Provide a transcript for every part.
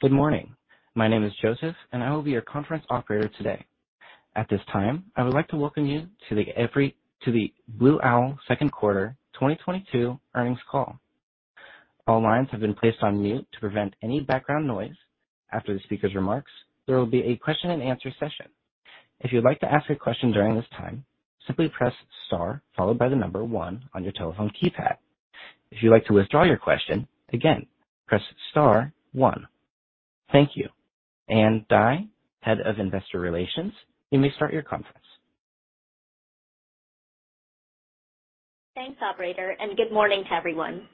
Good morning. My name is Joseph, and I will be your conference operator today. At this time, I would like to welcome you to the Blue Owl second quarter 2022 earnings call. All lines have been placed on mute to prevent any background noise. After the speaker's remarks, there will be a question and answer session. If you'd like to ask a question during this time, simply press Star followed by the number one on your telephone keypad. If you'd like to withdraw your question, again, press Star one. Thank you. Ann Dai, Head of Investor Relations, you may start your conference. Thanks, operator, and good morning to everyone.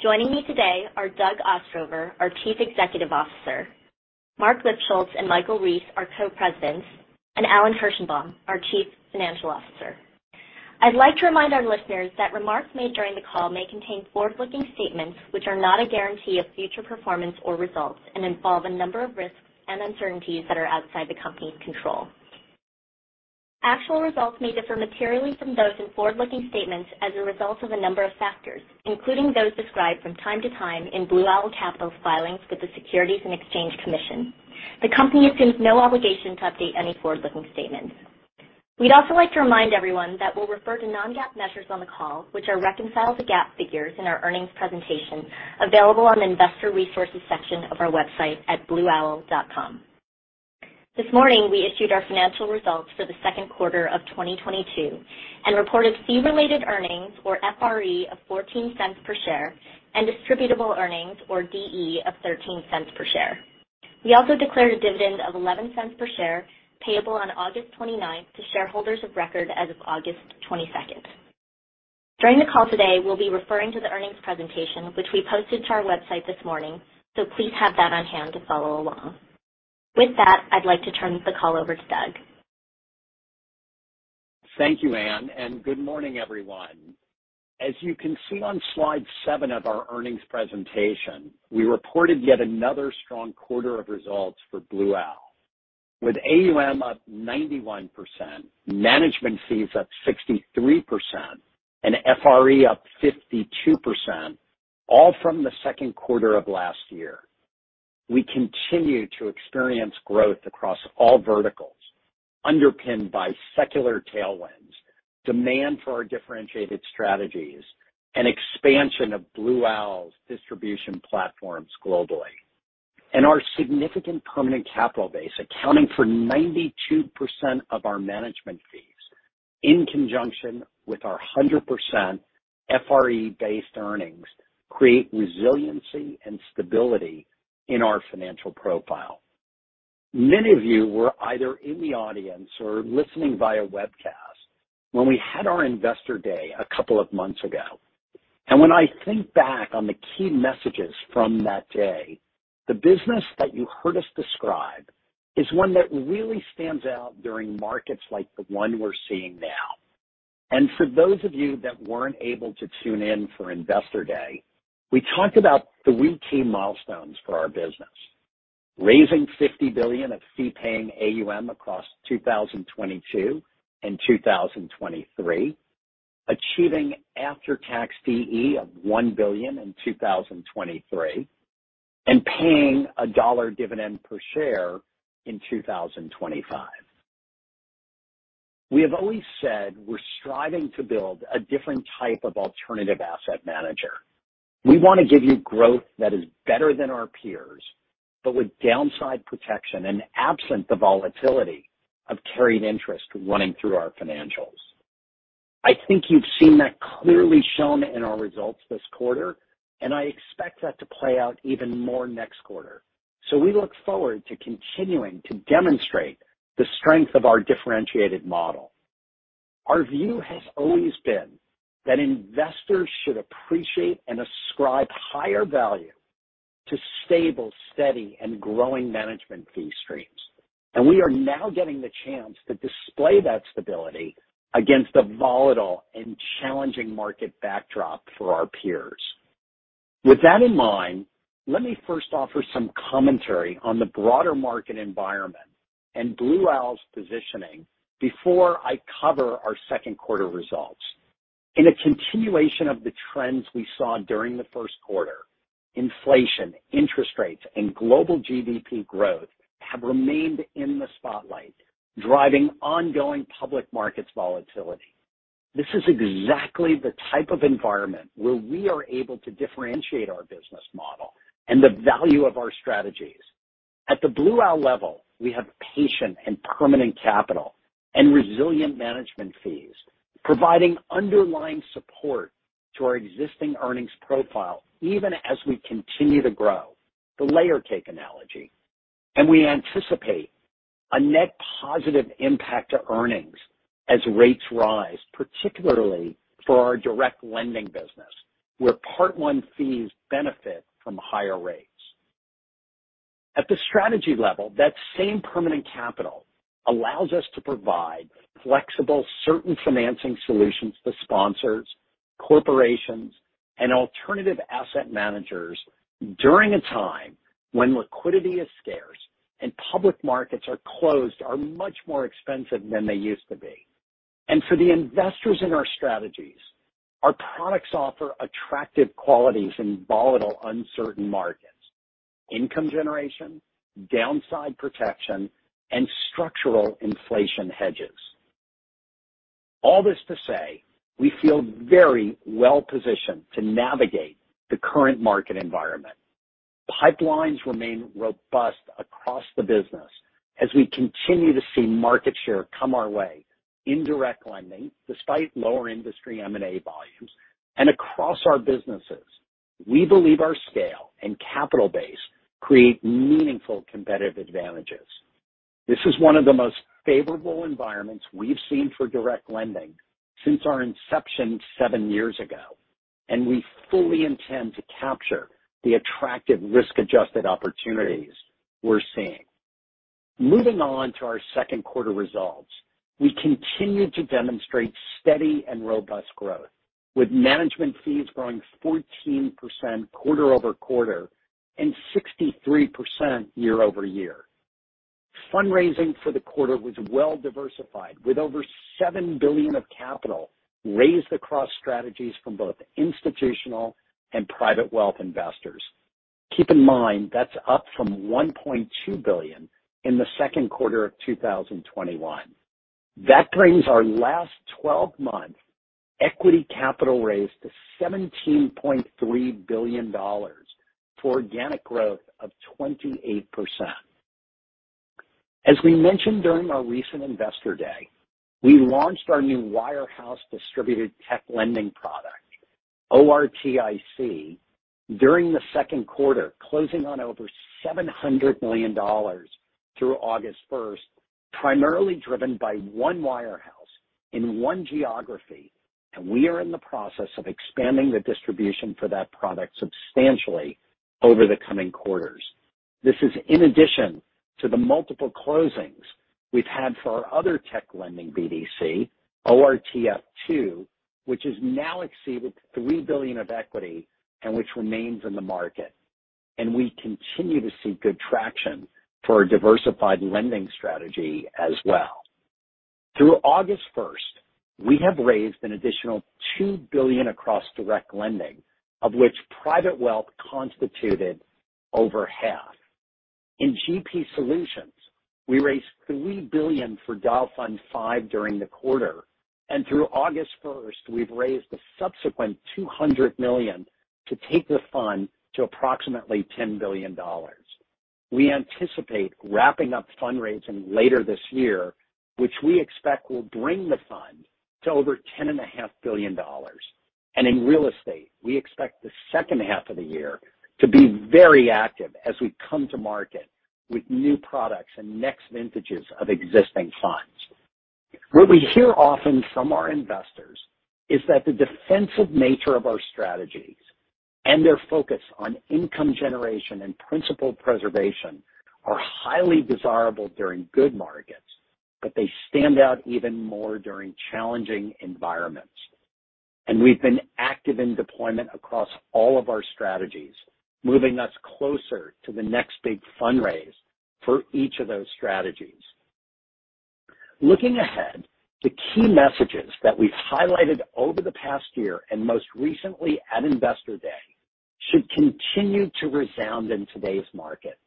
Joining me today are Doug Ostrover, our Chief Executive Officer, Marc Lipschultz and Michael Rees, our Co-Presidents, and Alan Kirshenbaum, our Chief Financial Officer. I'd like to remind our listeners that remarks made during the call may contain forward-looking statements, which are not a guarantee of future performance or results, and involve a number of risks and uncertainties that are outside the company's control. Actual results may differ materially from those in forward-looking statements as a result of a number of factors, including those described from time to time in Blue Owl Capital's filings with the Securities and Exchange Commission. The company assumes no obligation to update any forward-looking statement. We'd also like to remind everyone that we'll refer to non-GAAP measures on the call, which are reconciled to GAAP figures in our earnings presentation, available on the investor resources section of our website at blueowl.com. This morning, we issued our financial results for the second quarter of 2022 and reported fee-related earnings, or FRE, of $0.14 per share, and distributable earnings, or DE, of $0.13 per share. We also declared a dividend of $0.11 per share, payable on August 29 to shareholders of record as of August 22. During the call today, we'll be referring to the earnings presentation, which we posted to our website this morning. Please have that on hand to follow along. With that, I'd like to turn the call over to Doug. Thank you, Ann, and good morning, everyone. As you can see on slide seven of our earnings presentation, we reported yet another strong quarter of results for Blue Owl. With AUM up 91%, management fees up 63%, and FRE up 52%, all from the second quarter of last year. We continue to experience growth across all verticals, underpinned by secular tailwinds, demand for our differentiated strategies, and expansion of Blue Owl's distribution platforms globally. Our significant permanent capital base, accounting for 92% of our management fees, in conjunction with our 100% FRE-based earnings, create resiliency and stability in our financial profile. Many of you were either in the audience or listening via webcast when we had our Investor Day a couple of months ago. When I think back on the key messages from that day, the business that you heard us describe, is one that really stands out during markets like the one we're seeing now. For those of you that weren't able to tune in for Investor Day, we talked about three key milestones for our business, raising $50 billion of fee-paying AUM across 2022 and 2023, achieving after-tax DE of $1 billion in 2023, and paying $1 dividend per share in 2025. We have always said we're striving to build a different type of alternative asset manager. We wanna give you growth that is better than our peers, but with downside protection and absent the volatility, of carried interest running through our financials. I think you've seen that clearly shown in our results this quarter, and I expect that to play out even more next quarter. We look forward to continuing to demonstrate, the strength of our differentiated model. Our view has always been, that investors should appreciate and ascribe higher value to stable, steady, and growing management fee streams. We are now getting the chance to display that stability, against a volatile and challenging market backdrop for our peers. With that in mind, let me first offer some commentary on the broader market environment, and Blue Owl's positioning before I cover our second quarter results. In a continuation of the trends we saw during the first quarter, inflation, interest rates, and global GDP growth, have remained in the spotlight, driving ongoing public markets volatility. This is exactly the type of environment where we are able to differentiate our business model, and the value of our strategies. At the Blue Owl level, we have patient and permanent capital and resilient management fees, providing underlying support to our existing earnings profile, even as we continue to grow, the layer cake analogy. We anticipate a net positive impact to earnings as rates rise, particularly for our direct lending business, where Part I fees benefit from higher rates. At the strategy level, that same permanent capital allows us to provide flexible, certain financing solutions to sponsors, corporations, and alternative asset managers during a time when liquidity is scarce, and public markets are closed or much more expensive than they used to be. For the investors in our strategies, our products offer attractive qualities in volatile, uncertain markets, income generation, downside protection, and structural inflation hedges. All this to say, we feel very well-positioned to navigate the current market environment. Pipelines remain robust across the business, as we continue to see market share come our way in direct lending despite lower industry M&A volumes. Across our businesses, we believe our scale and capital base create meaningful competitive advantages. This is one of the most favorable environments we've seen for direct lending since our inception seven years ago, and we fully intend to capture the attractive risk-adjusted opportunities we're seeing. Moving on to our second quarter results. We continue to demonstrate steady and robust growth, with management fees growing 14% quarter-over-quarter and 63% year-over-year. Fundraising for the quarter was well diversified, with over $7 billion of capital raised across strategies from both institutional, and private wealth investors. Keep in mind, that's up from $1.2 billion, in the second quarter of 2021. That brings our last twelve months equity capital raise to $17.3 billion for organic growth of 28%. As we mentioned during our recent Investor Day, we launched our new wirehouse distributed tech lending product, ORTIC, during the second quarter, closing on over $700 million through August 1st, primarily driven by one wirehouse in one geography, and we are in the process of expanding the distribution for that product substantially over the coming quarters. This is in addition to the multiple closings we've had for our other tech lending BDC, ORTF II, which has now exceeded $3 billion of equity and which remains in the market. We continue to see good traction for a diversified lending strategy as well. Through August 1st, we have raised an additional $2 billion across direct lending, of which private wealth constituted over half. In GP Capital Solutions, we raised $3 billion for Dyal Fund V during the quarter, and through August 1st, we've raised a subsequent $200 million, to take the fund to approximately $10 billion. We anticipate wrapping up fundraising later this year, which we expect will bring the fund to over $10.5 billion. In real estate, we expect the second half of the year, to be very active as we come to market with new products and next vintages of existing funds. What we hear often from our investors, is that the defensive nature of our strategies and their focus on income generation and principal preservation are highly desirable during good markets, but they stand out even more during challenging environments. We've been active in deployment across all of our strategies, moving us closer to the next big fundraise for each of those strategies. Looking ahead, the key messages that we've highlighted over the past year and most recently at Investor Day, should continue to resound in today's market.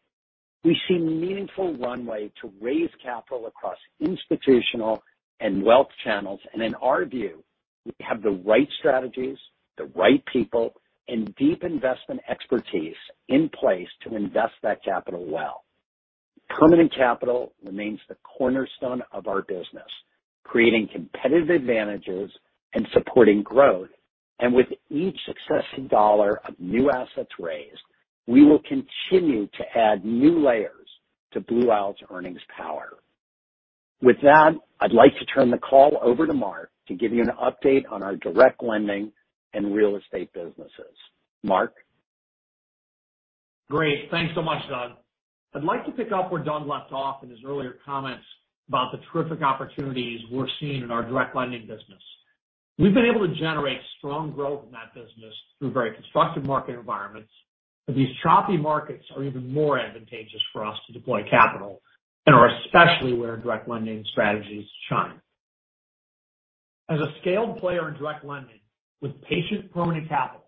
We see meaningful runway to raise capital across institutional and wealth channels. In our view, we have the right strategies, the right people, and deep investment expertise in place to invest that capital well. Permanent capital remains the cornerstone of our business, creating competitive advantages and supporting growth. With each successive dollar of new assets raised, we will continue to add new layers to Blue Owl's earnings power. With that, I'd like to turn the call over to Marc to give you an update on our direct lending and real estate businesses. Marc? Great. Thanks so much, Doug. I'd like to pick up where Doug left off in his earlier comments, about the terrific opportunities we're seeing in our direct lending business. We've been able to generate strong growth in that business through very constructive market environments, but these choppy markets are even more advantageous for us to deploy capital and are especially where direct lending strategies shine. As a scaled player in direct lending with patient permanent capital,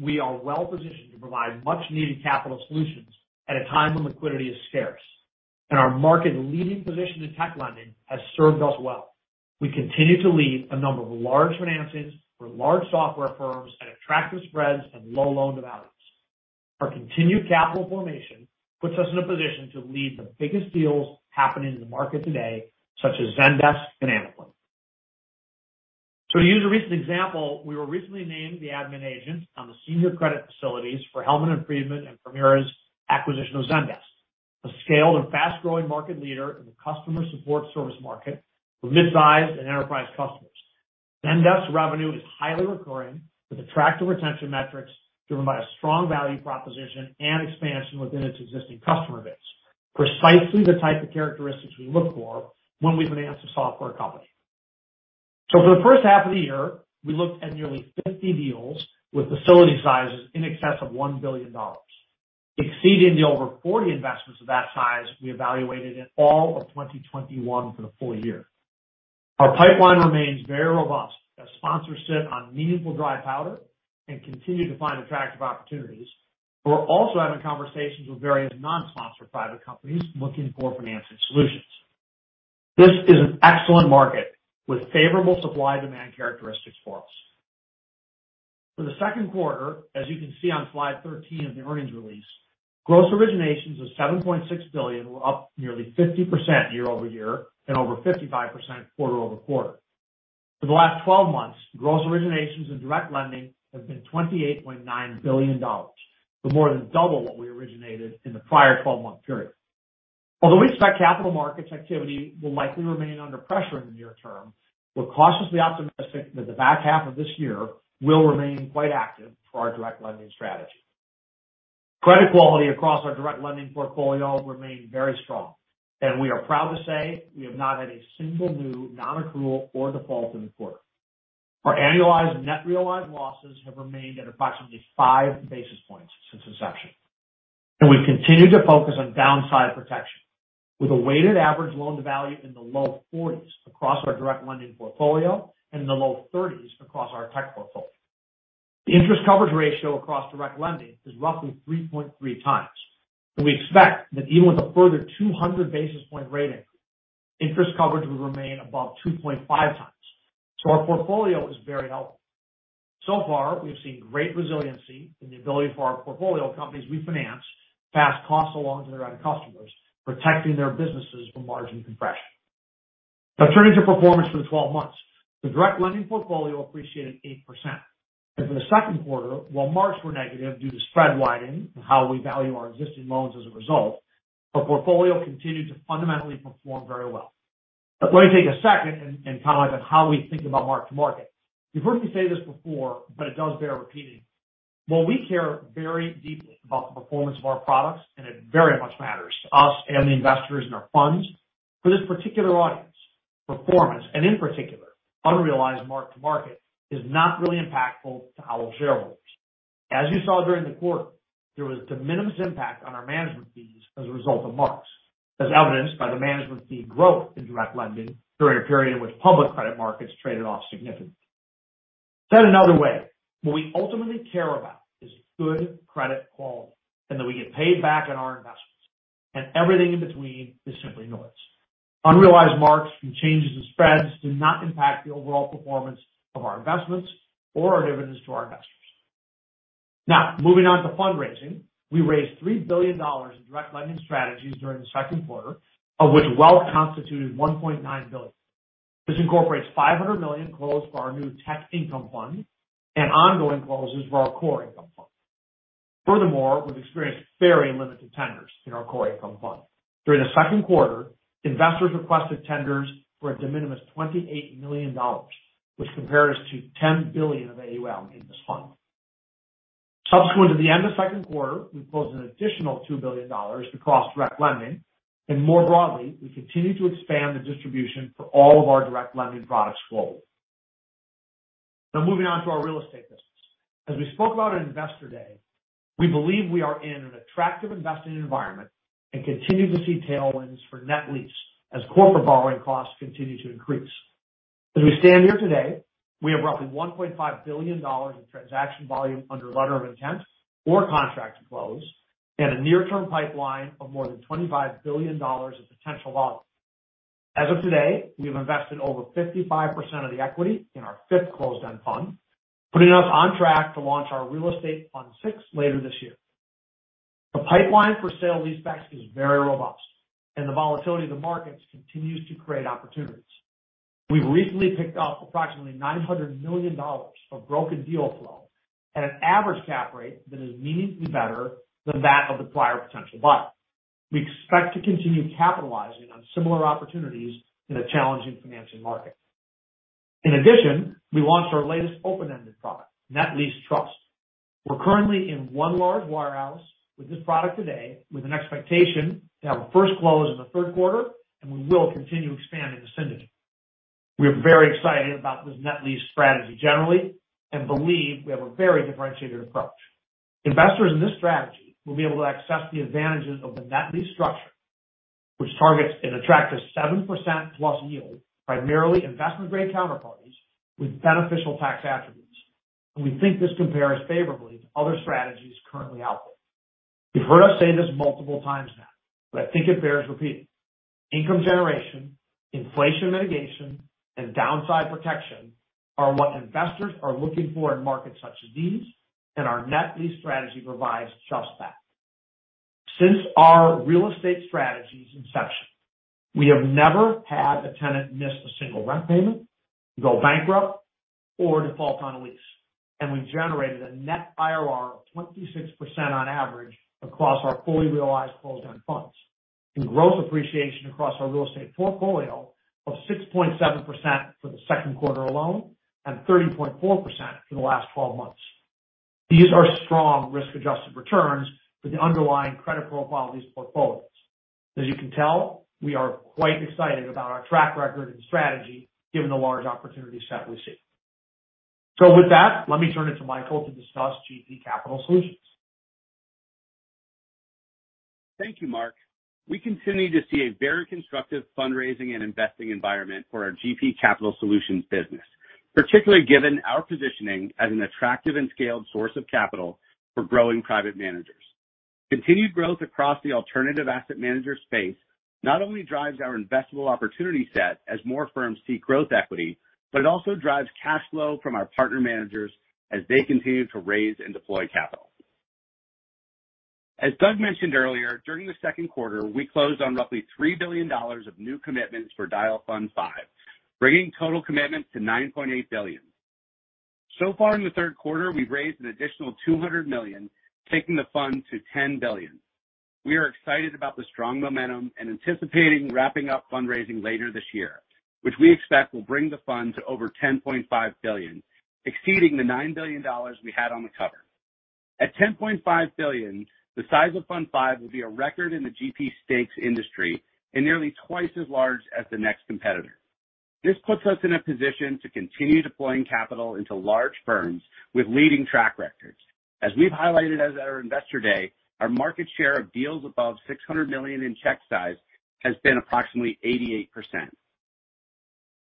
we are well-positioned to provide much-needed capital solutions at a time when liquidity is scarce. Our market-leading position in tech lending has served us well. We continue to lead a number of large financings for large software firms at attractive spreads and low loan-to-values. Our continued capital formation puts us in a position to lead the biggest deals happening in the market today, such as Zendesk and Amplicore. To use a recent example, we were recently named the admin agent on the senior credit facilities for Hellman & Friedman and Permira's acquisition of Zendesk, a scaled and fast-growing market leader in the customer support service market, for midsize and enterprise customers. Zendesk revenue is highly recurring with attractive retention metrics driven by a strong value proposition and expansion within its existing customer base. Precisely the type of characteristics we look for, when we finance a software company. For the first half of the year, we looked at nearly 50 deals with facility sizes in excess of $1 billion. Exceeding the over 40 investments of that size we evaluated in all of 2021 for the full year. Our pipeline remains very robust as sponsors sit on meaningful dry powder, and continue to find attractive opportunities. We're also having conversations with various non-sponsor private companies looking for financing solutions. This is an excellent market with favorable supply demand characteristics for us. For the second quarter, as you can see on slide 13 of the earnings release, gross originations of $7.6 billion were up nearly 50% year-over-year and over 55% quarter-over-quarter. For the last 12 months, gross originations in direct lending have been $28.9 billion, but more than double what we originated in the prior 12-month period. Although we expect capital markets activity will likely remain under pressure in the near term, we're cautiously optimistic that the back half of this year will remain quite active for our direct lending strategy. Credit quality across our direct lending portfolio remained very strong, and we are proud to say we have not had a single new non-accrual or default in the quarter. Our annualized net realized losses have remained at approximately five basis points since inception, and we continue to focus on downside protection with a weighted average loan-to-value in the low 40s across our direct lending portfolio, and in the low 30s across our tech portfolio. The interest coverage ratio across direct lending is roughly 3.3 times, and we expect that even with a further 200 basis point rate increase, interest coverage will remain above 2.5 times. Our portfolio is very healthy. So far, we've seen great resiliency in the ability for our portfolio companies we finance, pass costs along to their own customers, protecting their businesses from margin compression. Now turning to performance for the 12 months. The direct lending portfolio appreciated 8%, and for the second quarter, while marks were negative due to spread widening and how we value our existing loans as a result, our portfolio continued to fundamentally perform very well. Let me take a second and comment on how we think about mark-to-market. You've heard me say this before, but it does bear repeating. While we care very deeply about the performance of our products, and it very much matters to us and the investors in our funds, for this particular audience, performance, and in particular unrealized mark-to-market, is not really impactful to our shareholders. As you saw during the quarter, there was de minimis impact on our management fees as a result of marks, as evidenced by the management fee growth in direct lending during a period in which public credit markets traded off significantly. Said another way, what we ultimately care about is good credit quality and that we get paid back on our investments, and everything in between is simply noise. Unrealized marks from changes in spreads do not impact the overall performance of our investments or our dividends to our investors. Now, moving on to fundraising. We raised $3 billion in direct lending strategies during the second quarter, of which wealth constituted $1.9 billion. This incorporates $500 million closed for our new tech income fund and ongoing closes for our core income fund. Furthermore, we've experienced very limited tenders in our core income fund. During the second quarter, investors requested tenders for a de minimis $28 million, which compares to 10 billion of AUM in this fund. Subsequent to the end of second quarter, we've closed an additional $2 billion across direct lending. More broadly, we continue to expand the distribution for all of our direct lending products forward. Now moving on to our real estate business. As we spoke about at Investor Day, we believe we are in an attractive investing environment, and continue to see tailwinds for net lease as corporate borrowing costs continue to increase. As we stand here today, we have roughly $1.5 billion in transaction volume under letter of intent, or contract to close and a near-term pipeline of more than $25 billion of potential volume. As of today, we have invested over 55% of the equity in our fifth closed-end fund, putting us on track to launch our real estate fund six later this year. The pipeline for sale-leasebacks is very robust, and the volatility of the markets continues to create opportunities. We've recently picked off approximately $900 million of broken deal flow, at an average cap rate that is meaningfully better than that of the prior potential buyer. We expect to continue capitalizing on similar opportunities in a challenging financing market. In addition, we launched our latest open-ended product, Net Lease Trust. We're currently in one large warehouse with this product today with an expectation to have a first close in the third quarter, and we will continue expanding this synergy. We're very excited about this net lease strategy generally, and believe we have a very differentiated approach. Investors in this strategy will be able to access the advantages of the net lease structure, which targets an attractive 7%+ yield, primarily investment-grade counterparties with beneficial tax attributes. We think this compares favorably to other strategies currently out there. You've heard us say this multiple times now, but I think it bears repeating. Income generation, inflation mitigation, and downside protection, are what investors are looking for in markets such as these, and our net lease strategy provides just that. Since our real estate strategy's inception, we have never had a tenant miss a single rent payment, go bankrupt, or default on a lease. We've generated a net IRR of 26% on average across our fully realized closed-end funds, and growth appreciation across our real estate portfolio of 6.7% for the second quarter alone, and 30.4% for the last twelve months. These are strong risk-adjusted returns for the underlying credit profile of these portfolios. As you can tell, we are quite excited about our track record and strategy given the large opportunity set we see. With that, let me turn it to Michael to discuss GP Capital Solutions. Thank you, Mark. We continue to see a very constructive fundraising and investing environment for our GP Capital Solutions business, particularly given our positioning as an attractive and scaled source of capital for growing private managers. Continued growth across the alternative asset manager space, not only drives our investable opportunity set as more firms seek growth equity, but it also drives cash flow from our partner managers as they continue to raise and deploy capital. As Doug mentioned earlier, during the second quarter, we closed on roughly $3 billion of new commitments for Dyal Fund V, bringing total commitments to $9.8 billion. So far in the third quarter, we've raised an additional $200 million, taking the fund to $10 billion. We are excited about the strong momentum and anticipating wrapping up fundraising later this year, which we expect will bring the fund to over $10.5 billion, exceeding the $9 billion we had on the cover. At $10.5 billion, the size of Fund V will be a record in the GP stakes industry and nearly twice as large as the next competitor. This puts us in a position to continue deploying capital into large firms with leading track records. As we've highlighted at our Investor Day, our market share of deals above $600 million in check size has been approximately 88%.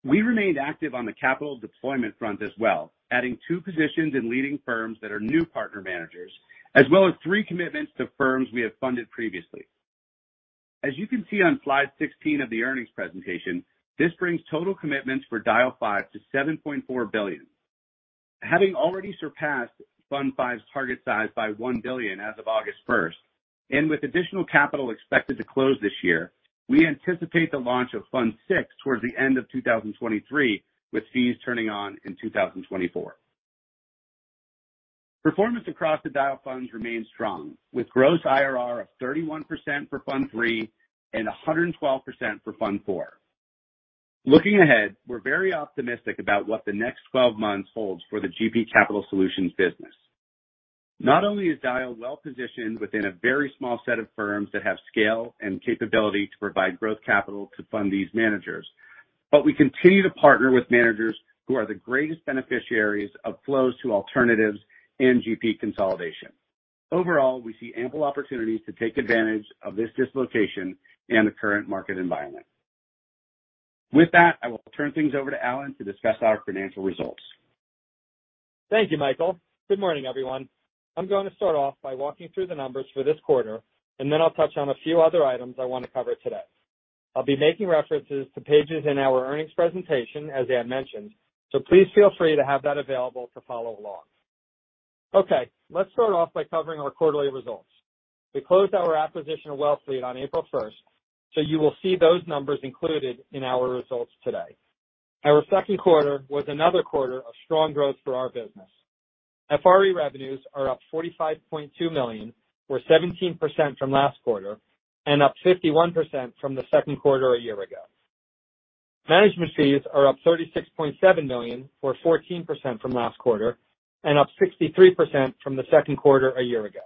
We remained active on the capital deployment front as well, adding two positions in leading firms that are new partner managers, as well as three commitments to firms we have funded previously. As you can see on slide 16 of the earnings presentation, this brings total commitments for Dyal Fund V to $7.4 billion. Having already surpassed Dyal Fund V's target size by $1 billion as of August 1st, and with additional capital expected to close this year, we anticipate the launch of Dyal Fund VI towards the end of 2023, with fees turning on in 2024. Performance across the Dyal funds remains strong, with gross IRR of 31% for Dyal Fund III and 112% for Dyal Fund IV. Looking ahead, we're very optimistic about what the next twelve months holds for the GP Capital Solutions business. Not only is Dyal well-positioned within a very small set of firms that have scale and capability to provide growth capital to fund these managers, but we continue to partner with managers who are the greatest beneficiaries of flows to alternatives and GP consolidation. Overall, we see ample opportunities to take advantage of this dislocation and the current market environment. With that, I will turn things over to Alan to discuss our financial results. Thank you, Michael. Good morning, everyone. I'm going to start off by walking through the numbers for this quarter, and then I'll touch on a few other items I want to cover today. I'll be making references to pages in our earnings presentation as they are mentioned, so please feel free to have that available to follow along. Okay, let's start off by covering our quarterly results. We closed our acquisition of Wellfleet on April 1st, so you will see those numbers included in our results today. Our second quarter was another quarter of strong growth for our business. FRE revenues are up $45.2 million, or 17% from last quarter, and up 51% from the second quarter a year ago. Management fees are up $36.7 million, or 14% from last quarter, and up 63% from the second quarter a year ago.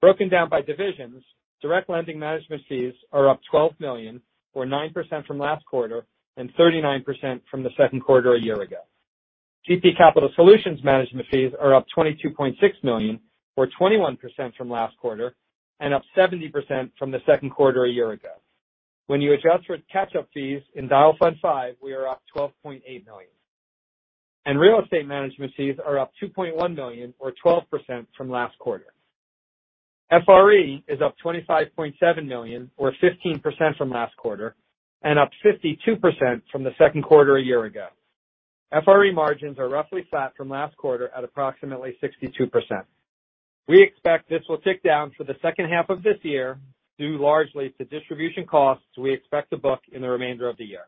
Broken down by divisions, direct lending management fees are up $12 million or 9% from last quarter and 39% from the second quarter a year ago. GP Capital Solutions management fees are up $22.6 million or 21% from last quarter and up 70% from the second quarter a year ago. When you adjust for catch-up fees in Dyal Fund V, we are up $12.8 million. Real estate management fees are up $2.1 million or 12% from last quarter. FRE is up $25.7 million or 15% from last quarter and up 52% from the second quarter a year ago. FRE margins are roughly flat from last quarter at approximately 62%. We expect this will tick down for the second half of this year, due largely to distribution costs we expect to book in the remainder of the year.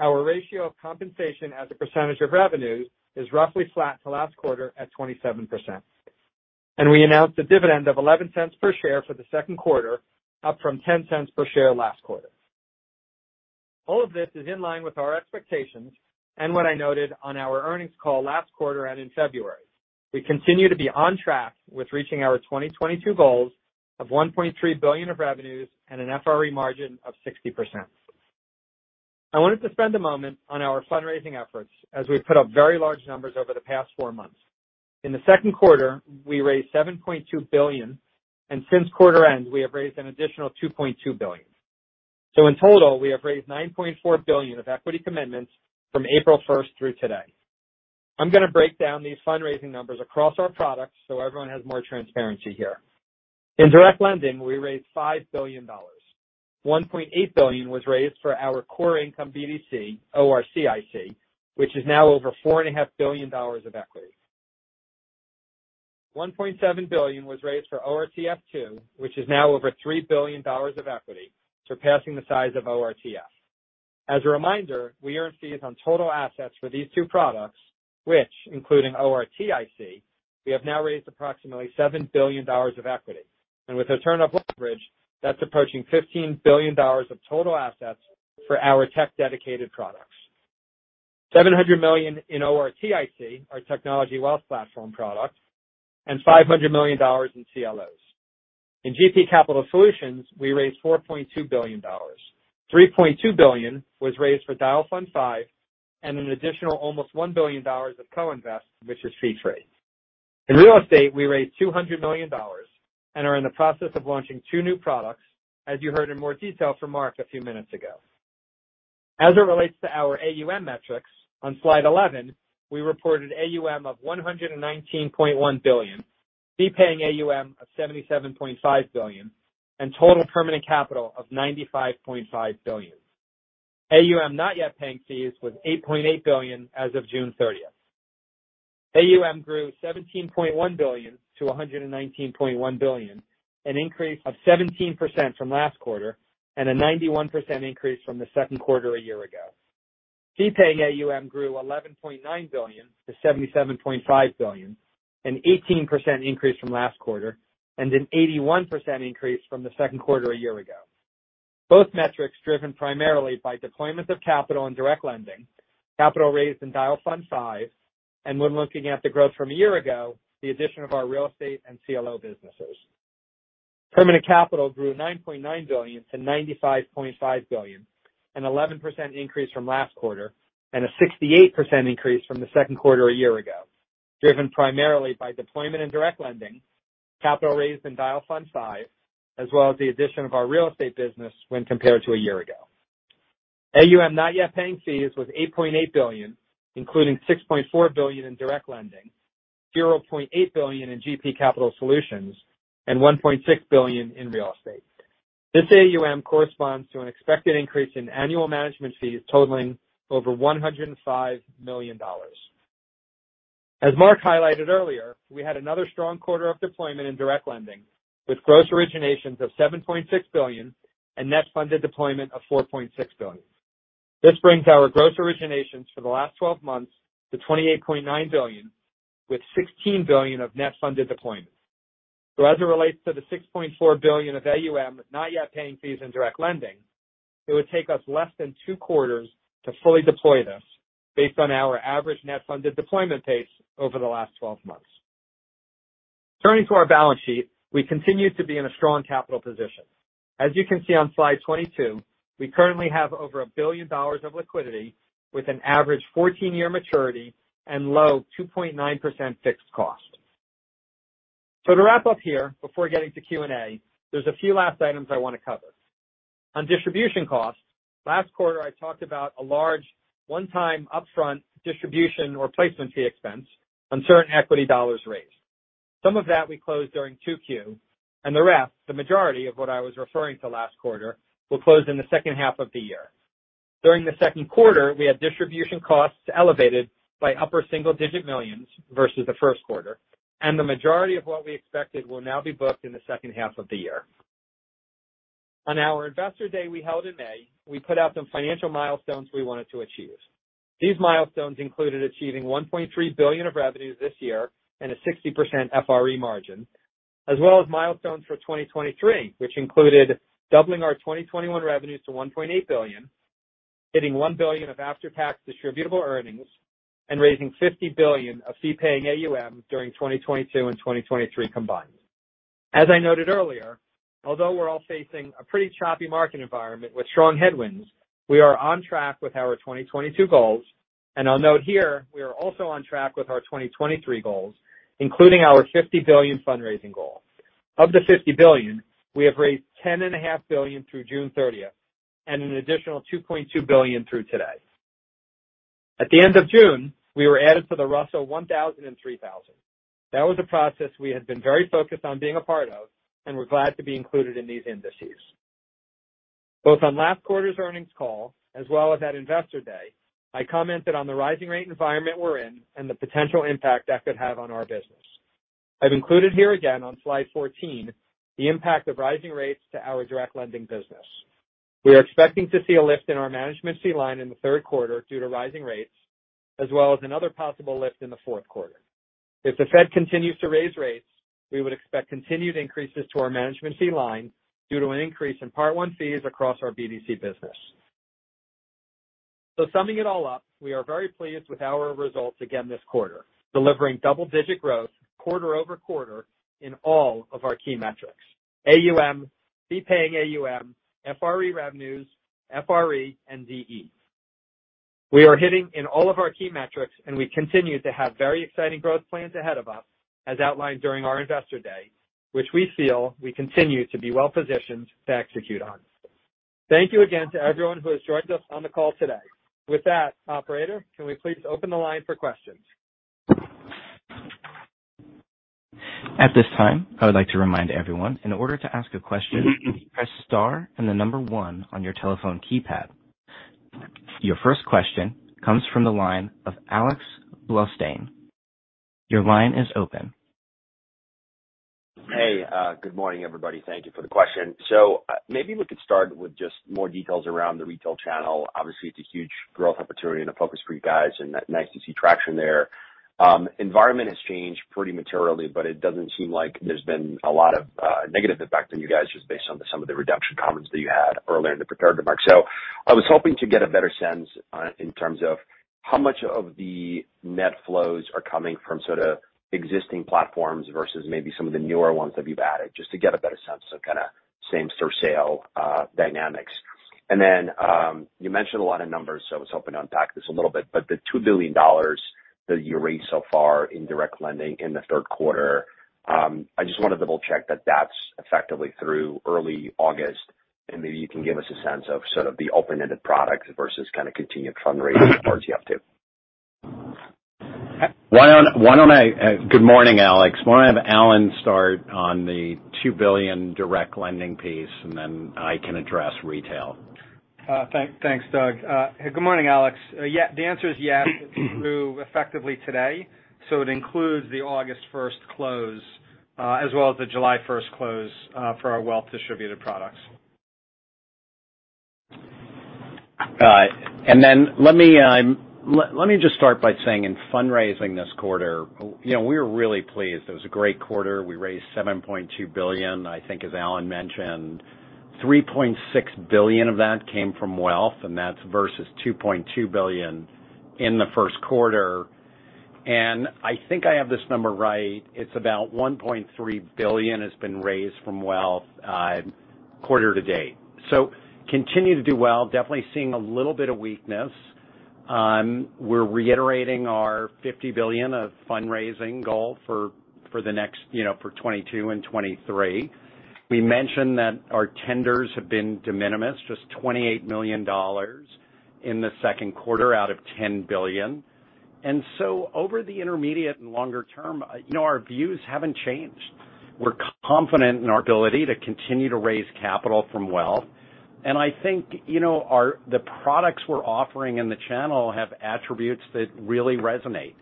Our ratio of compensation as a percentage of revenue is roughly flat to last quarter at 27%. We announced a dividend of $0.11 per share for the second quarter, up from $0.10 per share last quarter. All of this is in line with our expectations and what I noted on our earnings call last quarter and in February. We continue to be on track with reaching our 2022 goals of $1.3 billion of revenues and an FRE margin of 60%. I wanted to spend a moment on our fundraising efforts as we put up very large numbers over the past four months. In the second quarter, we raised $7.2 billion, and since quarter end, we have raised an additional $2.2 billion. In total, we have raised $9.4 billion of equity commitments from April 1st through today. I'm going to break down these fundraising numbers across our products so everyone has more transparency here. In direct lending, we raised $5 billion. $1.8 billion was raised for our core income BDC, ORCIC, which is now over $4.5 billion of equity. $1.7 billion was raised for ORTF II, which is now over $3 billion of equity, surpassing the size of ORTF. As a reminder, we earn fees on total assets for these two products, which, including ORTIC, we have now raised approximately $7 billion of equity. With a target leverage, that's approaching $15 billion of total assets for our tech-dedicated products. $700 million in ORTIC, our technology wealth platform product, and $500 million in CLOs. In GP Capital Solutions, we raised $4.2 billion. $3.2 billion was raised for Dyal Fund V, and an additional almost $1 billion of co-invest, which is fee-free. In real estate, we raised $200 million and are in the process of launching two new products, as you heard in more detail from Mark a few minutes ago. As it relates to our AUM metrics, on slide 11, we reported AUM of $119.1 billion, fee-paying AUM of $77.5 billion, and total permanent capital of $95.5 billion. AUM not yet paying fees was $8.8 billion as of June 30th. AUM grew $17.1 billion to $119.1 billion, an increase of 17% from last quarter, and a 91% increase from the second quarter a year ago. Fee paying AUM grew $11.9 billion to $77.5 billion, an 18% increase from last quarter and an 81% increase from the second quarter a year ago. Both metrics driven primarily by deployment of capital and direct lending, capital raised in Dyal Fund V. When looking at the growth from a year ago, the addition of our real estate and CLO businesses. Permanent capital grew $9.9 billion to $95.5 billion, an 11% increase from last quarter, and a 68% increase from the second quarter a year ago, driven primarily by deployment and direct lending, capital raised in Dyal Fund V, as well as the addition of our real estate business when compared to a year ago. AUM not yet paying fees was $8.8 billion, including $6.4 billion in direct lending, $0.8 billion in GP Capital Solutions, and $1.6 billion in real estate. This AUM corresponds to an expected increase in annual management fees totaling over $105 million. As Mark highlighted earlier, we had another strong quarter of deployment in direct lending with gross originations of $7.6 billion and net funded deployment of $4.6 billion. This brings our gross originations for the last 12 months to $28.9 billion with $16 billion of net funded deployment. As it relates to the 6.4 billion of AUM not yet paying fees in direct lending, it would take us less than 2 quarters to fully deploy this based on our average net funded deployment pace over the last 12 months. Turning to our balance sheet, we continue to be in a strong capital position. As you can see on slide 22, we currently have over $1 billion of liquidity with an average 14-year maturity and low 2.9% fixed cost. To wrap up here before getting to Q&A, there's a few last items I want to cover. On distribution costs, last quarter I talked about a large one-time upfront distribution or placement fee expense on certain equity dollars raised. Some of that we closed during 2Q and the rest, the majority of what I was referring to last quarter, will close in the second half of the year. During the second quarter, we had distribution costs elevated by upper single-digit millions versus the first quarter, and the majority of what we expected will now be booked in the second half of the year. On our Investor Day we held in May, we put out some financial milestones we wanted to achieve. These milestones included achieving $1.3 billion of revenues this year, and a 60% FRE margin, as well as milestones for 2023, which included doubling our 2021 revenues to $1.8 billion, hitting $1 billion of after-tax distributable earnings, and raising $50 billion of fee-paying AUM during 2022 and 2023 combined. As I noted earlier, although we're all facing a pretty choppy market environment with strong headwinds, we are on track with our 2022 goals. I'll note here we are also on track with our 2023 goals, including our $50 billion fundraising goal. Of the $50 billion, we have raised $10.5 billion through June 30 and an additional $2.2 billion through today. At the end of June, we were added to the Russell 1000 and 3000. That was a process we had been very focused on being a part of, and we're glad to be included in these indices. Both on last quarter's earnings call as well as at Investor Day, I commented on the rising rate environment we're in and the potential impact that could have on our business. I've included here again on slide 14, the impact of rising rates to our direct lending business. We are expecting to see a lift in our management fee line in the third quarter due to rising rates as well as another possible lift in the fourth quarter. If the Fed continues to raise rates, we would expect continued increases to our management fee line due to an increase in Part I fees across our BDC business. Summing it all up, we are very pleased with our results again this quarter, delivering double-digit growth quarter over quarter in all of our key metrics, AUM, fee paying AUM, FRE revenues, FRE and DE. We are hitting in all of our key metrics and we continue to have very exciting growth plans ahead of us, as outlined during our Investor Day, which we feel we continue to be well positioned to execute on. Thank you again to everyone who has joined us on the call today. With that, operator, can we please open the line for questions? At this time, I would like to remind everyone in order to ask a question, press star and the number one on your telephone keypad. Your first question comes from the line of Alex Blostein. Your line is open. Hey, good morning everybody. Thank you for the question. Maybe we could start with just more details around the retail channel. Obviously it's a huge growth opportunity and a focus for you guys and nice to see traction there. Environment has changed pretty materially, but it doesn't seem like there's been a lot of negative effect on you guys just based on some of the reduction comments that you had earlier in the prepared remarks. I was hoping to get a better sense in terms of How much of the net flows are coming from sort of existing platforms versus maybe some of the newer ones that you've added, just to get a better sense of kind of same-store sales dynamics? You mentioned a lot of numbers, so I was hoping to unpack this a little bit. The $2 billion that you raised so far in direct lending in the third quarter, I just wanted to double-check that that's effectively through early August, and maybe you can give us a sense of sort of the open-ended products versus kind of continued fundraising efforts you have too. Good morning, Alex Blostein. Why don't I have Alan Kirshenbaum start on the $2 billion direct lending piece, and then I can address retail. Thanks, Doug. Good morning, Alex. Yeah, the answer is yes. It's through effectively today, so it includes the August first close, as well as the July first close, for our wealth distributed products. Let me just start by saying in fundraising this quarter, you know, we were really pleased. It was a great quarter. We raised $7.2 billion. I think as Alan mentioned, $3.6 billion of that came from wealth, and that's versus $2.2 billion in the first quarter. I think I have this number right. It's about $1.3 billion has been raised from wealth, quarter to date. Continue to do well. Definitely seeing a little bit of weakness. We're reiterating our $50 billion of fundraising goal for the next, you know, for 2022 and 2023. We mentioned that our tenders have been de minimis, just $28 million in the second quarter out of $10 billion. Over the intermediate and longer term, you know, our views haven't changed. We're confident in our ability to continue to raise capital from wealth. I think, you know, the products we're offering in the channel have attributes that really resonate.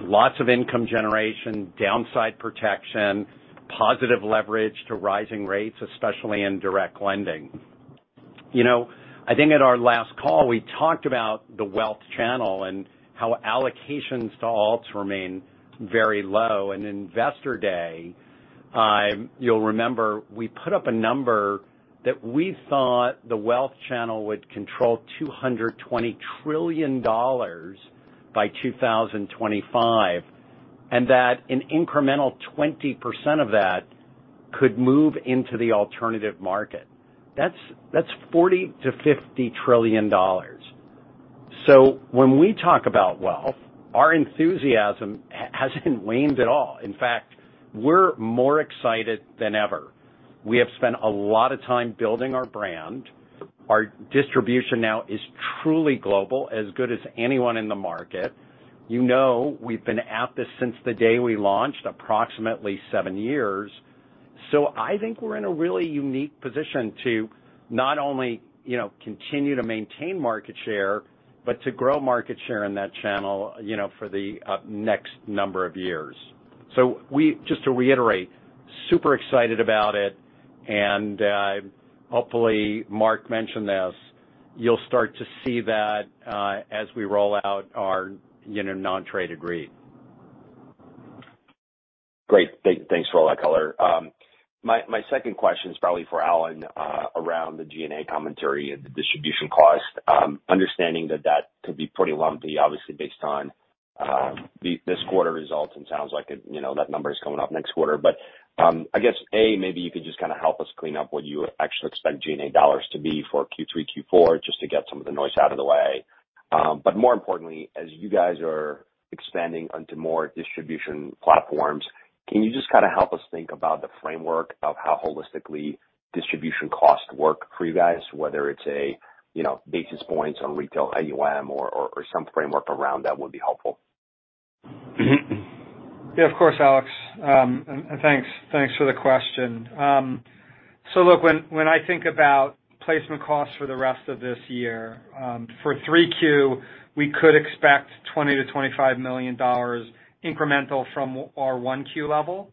Lots of income generation, downside protection, positive leverage to rising rates, especially in direct lending. You know, I think at our last call, we talked about the wealth channel and how allocations to alts remain very low. In Investor Day, you'll remember we put up a number that we thought the wealth channel would control $220 trillion by 2025, and that an incremental 20% of that, could move into the alternative market. That's $40 trillion-$50 trillion. When we talk about wealth, our enthusiasm hasn't waned at all. In fact, we're more excited than ever. We have spent a lot of time building our brand. Our distribution now is truly global, as good as anyone in the market. You know, we've been at this since the day we launched, approximately seven years. I think we're in a really unique position to not only, you know, continue to maintain market share, but to grow market share in that channel, you know, for the next number of years. We just to reiterate, super excited about it, and hopefully Marc mentioned this, you'll start to see that as we roll out our, you know, non-traded REIT. Great. Thanks for all that color. My second question is probably for Alan, around the G&A commentary and the distribution cost. Understanding that that could be pretty lumpy, obviously based on this quarter results and sounds like it, you know, that number is going up next quarter. I guess, A, maybe you could just kind of help us clean up what you actually expect G&A dollars to be for Q3, Q4, just to get some of the noise out of the way. More importantly, as you guys are expanding onto more distribution platforms, can you just kind of help us think about the framework of how holistically distribution costs work for you guys, whether it's a, you know, basis points on retail AUM or some framework around that would be helpful. Yeah, of course, Alex. And thanks for the question. So look, when I think about placement costs for the rest of this year, for Q3, we could expect $20 million-$25 million incremental from our Q1 level.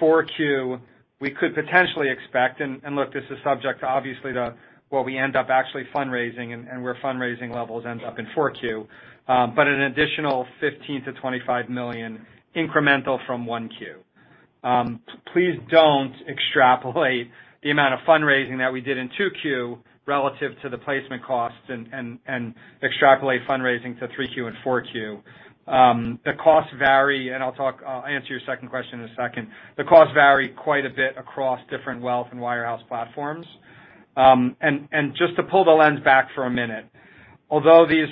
For Q4, we could potentially expect, and look, this is subject, obviously, to what we end up actually fundraising and where fundraising levels end up in Q4, but an additional $15 million-$25 million incremental from Q1. Please don't extrapolate the amount of fundraising that we did in Q2 relative to the placement costs and extrapolate fundraising to Q3 and Q4. The costs vary, and I'll answer your second question in a second. The costs vary quite a bit across different wealth and wirehouse platforms. Just to pull the lens back for a minute, although these,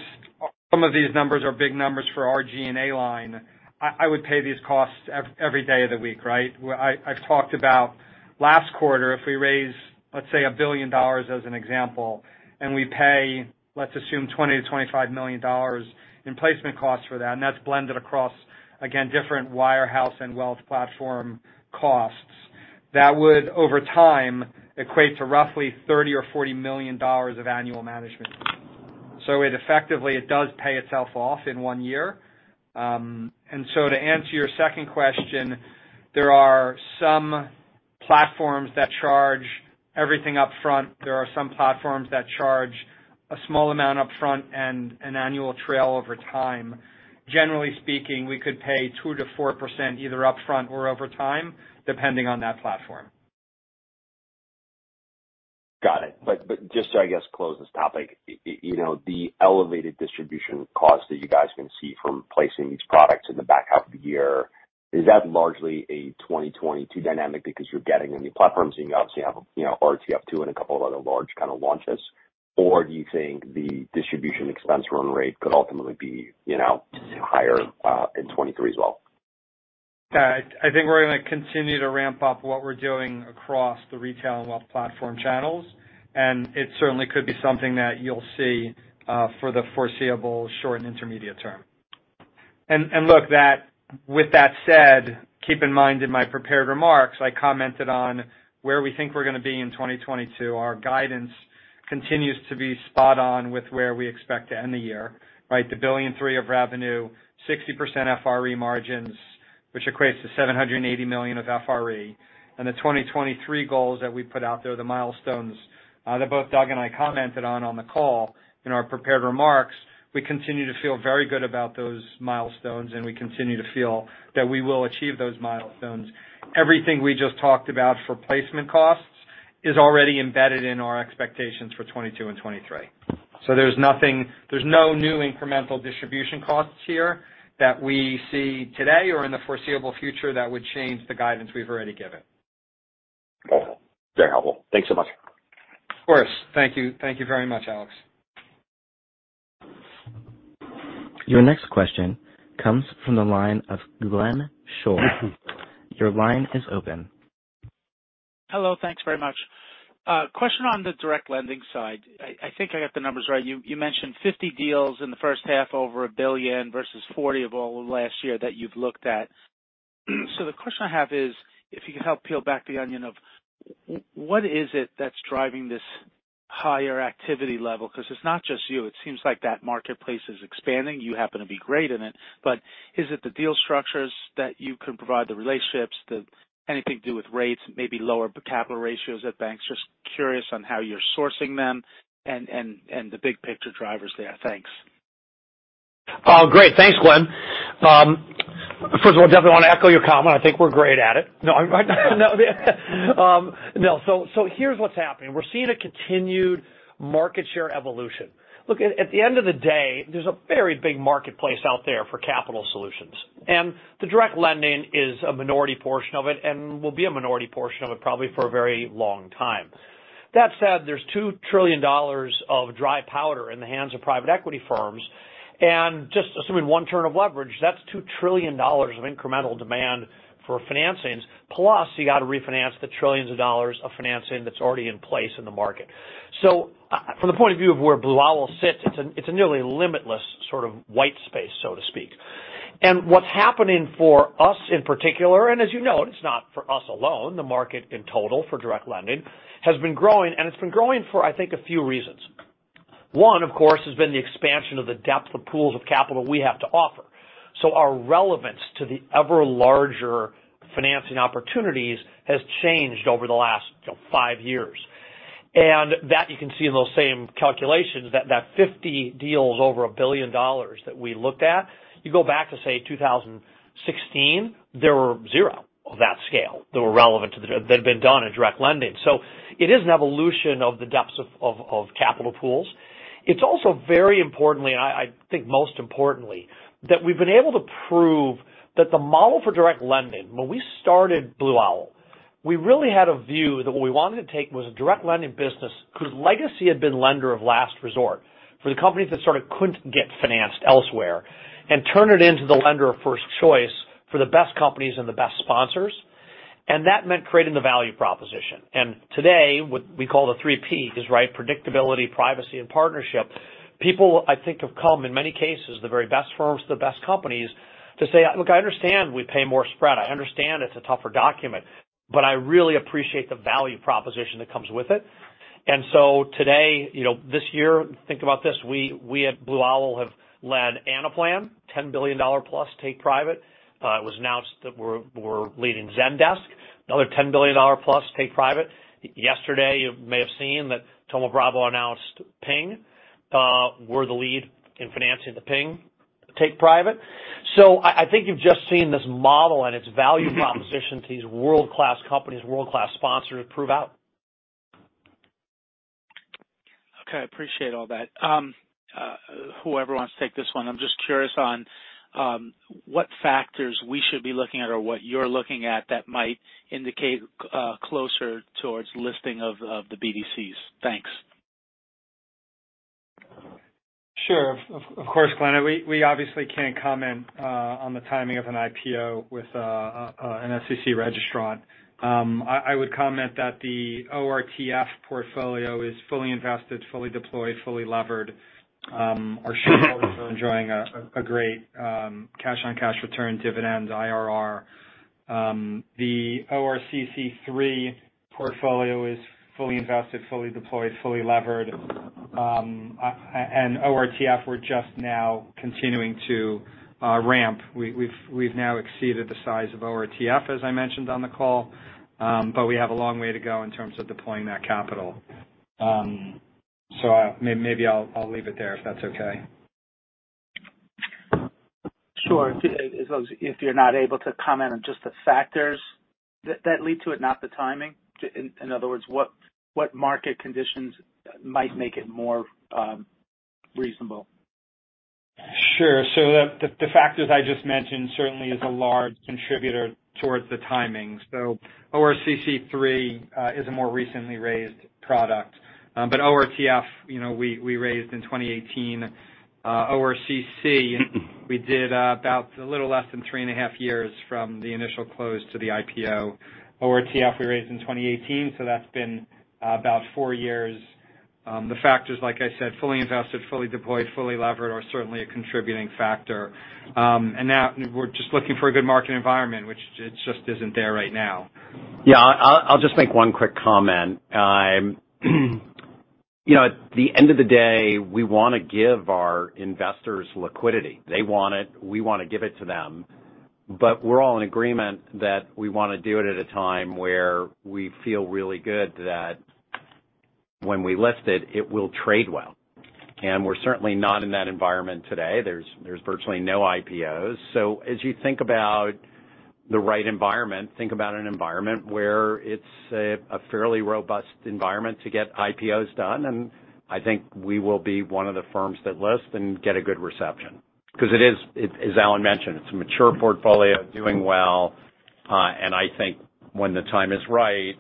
some of these numbers are big numbers for our G&A line, I would pay these costs every day of the week, right? Where I've talked about last quarter, if we raise, let's say, $1 billion as an example, and we pay, let's assume $20 million-$25 million in placement costs for that, and that's blended across, again, different wirehouse and wealth platform costs. That would, over time, equate to roughly $30 million or $40 million of annual management. It effectively, it does pay itself off in one year. To answer your second question, there are some platforms that charge everything up front. There are some platforms that charge, a small amount up front and an annual trail over time. Generally speaking, we could pay 2%-4% either up front or over time, depending on that platform. Got it. Just so I guess close this topic, you know, the elevated distribution costs that you guys can see from placing these products in the back half of the year, is that largely a 2022 dynamic because you're getting a new platform, so you obviously have, you know, OTF two and a couple of other large kind of launches? Or do you think the distribution expense run rate could ultimately be, you know, higher in 2023 as well? Yeah. I think we're gonna continue to ramp up what we're doing across the retail and wealth platform channels, and it certainly could be something that you'll see for the foreseeable short and intermediate term. With that said, keep in mind in my prepared remarks, I commented on where we think we're gonna be in 2022. Our guidance continues to be spot on with where we expect to end the year, right? The $1.3 billion of revenue, 60% FRE margins, which equates to $780 million of FRE. The 2023 goals that we put out there, the milestones that both Doug and I commented on the call in our prepared remarks, we continue to feel very good about those milestones, and we continue to feel that we will achieve those milestones. Everything we just talked about for placement costs, is already embedded in our expectations for 2022 and 2023. There's no new incremental distribution costs here that we see today or in the foreseeable future that would change the guidance we've already given. Wonderful. Very helpful. Thanks so much. Of course. Thank you. Thank you very much, Alex. Your next question comes from the line of Glenn Schorr. Your line is open. Hello. Thanks very much. Question on the direct lending side. I think I got the numbers right. You mentioned 50 deals in the first half over $1 billion versus 40 of all of last year that you've looked at. The question I have is, if you could help peel back the onion of what is it that's driving this higher activity level? Because it's not just you. It seems like that marketplace is expanding. You happen to be great in it. But is it the deal structures that you can provide, the relationships, anything to do with rates, maybe lower capital ratios at banks? Just curious on how you're sourcing them and the big picture drivers there. Thanks. Oh, great. Thanks, Glenn. First of all, definitely want to echo your comment. I think we're great at it. We're seeing a continued market share evolution. Look, at the end of the day, there's a very big marketplace out there for capital solutions, and the direct lending is a minority portion of it and will be a minority portion of it probably for a very long time. That said, there's $2 trillion of dry powder in the hands of private equity firms, and just assuming one turn of leverage, that's $2 trillion of incremental demand for financings. Plus, you got to refinance the trillions of dollars of financing that's already in place in the market. From the point of view of where Blue Owl sits, it's a nearly limitless sort of white space, so to speak. What's happening for us in particular, and as you know, it's not for us alone, the market in total for direct lending has been growing, and it's been growing for, I think, a few reasons. One, of course, has been the expansion of the depth of pools of capital we have to offer. Our relevance to the ever larger financing opportunities has changed over the last, you know, five years. That you can see in those same calculations that 50 deals over $1 billion that we looked at. You go back to, say, 2016, there were zero of that scale that were relevant to that had been done in direct lending. It is an evolution of the depths of capital pools. It's also very importantly, I think most importantly, that we've been able to prove that the model for direct lending, when we started Blue Owl, we really had a view that what we wanted to take was a direct lending business whose legacy had been lender of last resort, for the companies that sort of couldn't get financed elsewhere and turn it into the lender of first choice for the best companies and the best sponsors. That meant creating the value proposition. Today, what we call the Three Ps, right? Predictability, privacy, and partnership. People, I think, have come in many cases, the very best firms, the best companies, to say, "Look, I understand we pay more spread. I understand it's a tougher document, but I really appreciate the value proposition that comes with it." Today, you know, this year, think about this, we at Blue Owl have led Anaplan, $10 billion plus take private. It was announced that we're leading Zendesk, another $10 billion plus take private. Yesterday, you may have seen that Thoma Bravo announced Ping. We're the lead in financing the Ping take private. I think you've just seen this model and its value proposition to these world-class companies, world-class sponsors prove out. Okay. I appreciate all that. Whoever wants to take this one, I'm just curious on what factors we should be looking at or what you're looking at that might indicate closer towards listing of the BDCs. Thanks. Sure. Of course, Glenn. We obviously can't comment on the timing of an IPO with an SEC registrant. I would comment that the ORTF portfolio is fully invested, fully deployed, fully levered. Our shareholders are enjoying a great cash-on-cash return, dividends, IRR. The ORCC three portfolio is fully invested, fully deployed, fully levered. And ORTF, we're just now continuing to ramp. We've now exceeded the size of ORTF, as I mentioned on the call, but we have a long way to go in terms of deploying that capital. Maybe I'll leave it there if that's okay. Sure. If you're not able to comment on just the factors that lead to it, not the timing. In other words, what market conditions might make it more reasonable? Sure. The factors I just mentioned certainly is a large contributor towards the timing. ORCC III is a more recently raised product. But ORTF, you know, we raised in 2018. ORCC, we did about a little less than 3.5 years from the initial close to the IPO. ORTF we raised in 2018, so that's been about four years. The factors, like I said, fully invested, fully deployed, fully levered are certainly a contributing factor. Now we're just looking for a good market environment, which just isn't there right now. Yeah. I'll just make one quick comment. You know, at the end of the day, we wanna give our investors liquidity. They want it, we wanna give it to them, but we're all in agreement that we wanna do it at a time where we feel really good that, when we list it will trade well. We're certainly not in that environment today. There's virtually no IPOs. As you think about the right environment, think about an environment where it's a fairly robust environment to get IPOs done, and I think we will be one of the firms that list and get a good reception. 'Cause it is, as Alan mentioned, it's a mature portfolio doing well. I think when the time is right,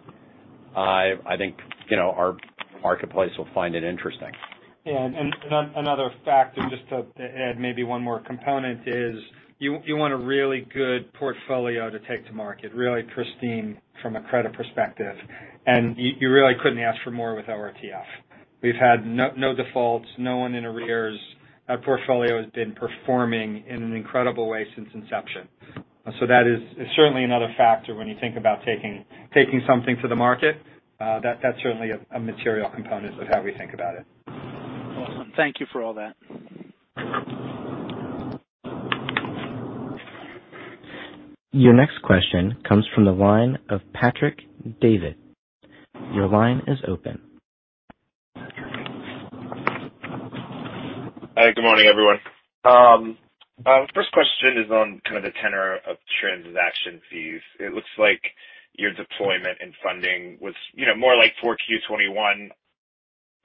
I think, you know, our marketplace will find it interesting. Yeah. Another factor, just to add maybe one more component, is you want a really good portfolio to take to market, really pristine from a credit perspective. You really couldn't ask for more with ORTF. We've had no defaults, no one in arrears. Our portfolio has been performing in an incredible way since inception. That is certainly another factor when you think about taking something to the market, that's certainly a material component of how we think about it. Awesome. Thank you for all that. Your next question comes from the line of Patrick Davitt. Your line is open. Hi, good morning, everyone. First question is on kind of the tenor of transaction fees. It looks like your deployment and funding was, you know, more like 4Q 2021,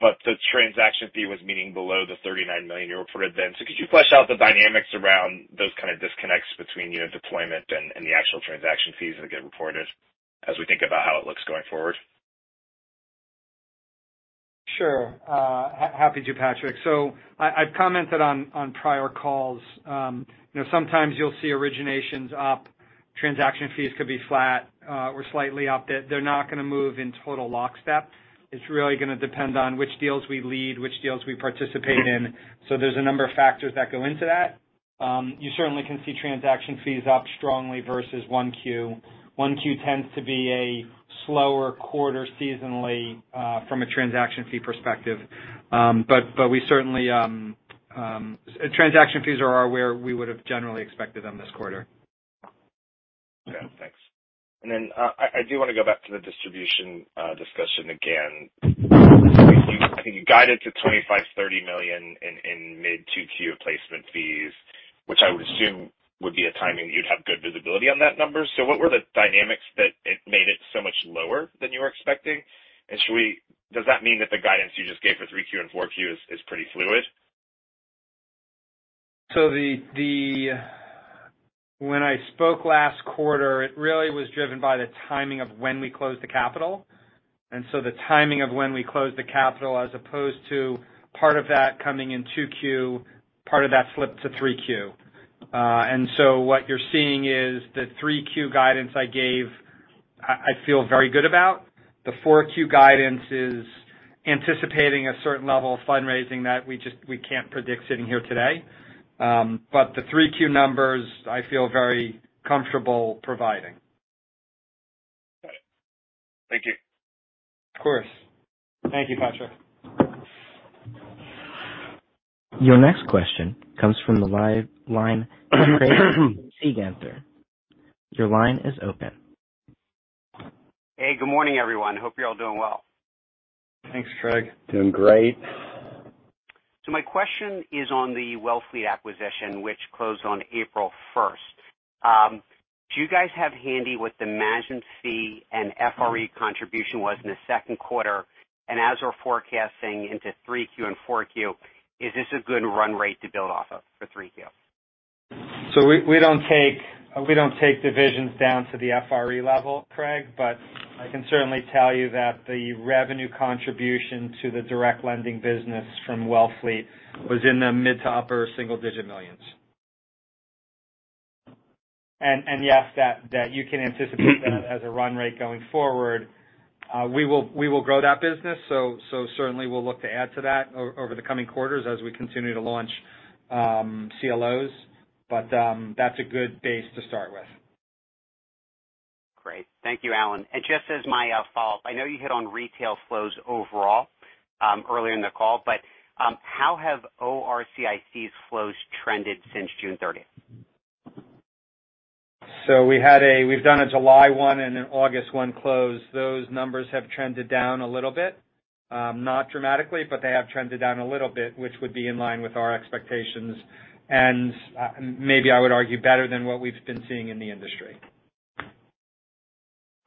but the transaction fee was meaningfully below the $39 million you reported then. Could you flesh out the dynamics around those kind of disconnects between, you know, deployment and the actual transaction fees that get reported as we think about how it looks going forward? Happy to, Patrick. I've commented on prior calls, you know, sometimes you'll see originations up, transaction fees could be flat, or slightly up, that they're not gonna move in total lockstep. It's really gonna depend on which deals we lead, which deals we participate in. There's a number of factors that go into that. You certainly can see transaction fees up strongly versus Q1. Q1 tends to be a slower quarter seasonally, from a transaction fee perspective. Transaction fees are where we would have generally expected them this quarter. Okay, thanks. I do wanna go back to the distribution discussion again. You guided to $25-$30 million in mid-Q2 placement fees, which I would assume would be a timing you'd have good visibility on that number. What were the dynamics that it made it so much lower than you were expecting? Does that mean that the guidance you just gave for Q3 and Q4 is pretty fluid? When I spoke last quarter, it really was driven by the timing of when we closed the capital. The timing of when we closed the capital, as opposed to part of that coming in Q2, part of that flipped to Q3. What you're seeing is the Q3 guidance I gave. I feel very good about. The Q4 guidance is anticipating a certain level of fundraising that we just can't predict sitting here today. The Q3 numbers I feel very comfortable providing. Got it. Thank you. Of course. Thank you, Patrick. Your next question comes from the live line of Craig Siegenthaler. Your line is open. Hey, good morning, everyone. Hope you're all doing well. Thanks, Craig. Doing great. My question is on the Wellfleet acquisition which closed on April 1st. Do you guys have handy what the management fee and FRE contribution was in the second quarter? As we're forecasting into Q3 and Q4, is this a good run rate to build off of for Q3? We don't take divisions down to the FRE level, Craig, but I can certainly tell you that the revenue contribution to the direct lending business from Wellfleet, was in the mid- to upper-single-digit millions. Yes, you can anticipate that as a run rate going forward. We will grow that business, so certainly we'll look to add to that over the coming quarters as we continue to launch CLOs. That's a good base to start with. Great. Thank you, Alan. Just as my follow-up, I know you hit on retail flows overall earlier in the call, but how have ORCIC's flows trended since June 30? We've done a July one and an August one close. Those numbers have trended down a little bit, not dramatically, but they have trended down a little bit, which would be in line with our expectations. Maybe I would argue better than what we've been seeing in the industry.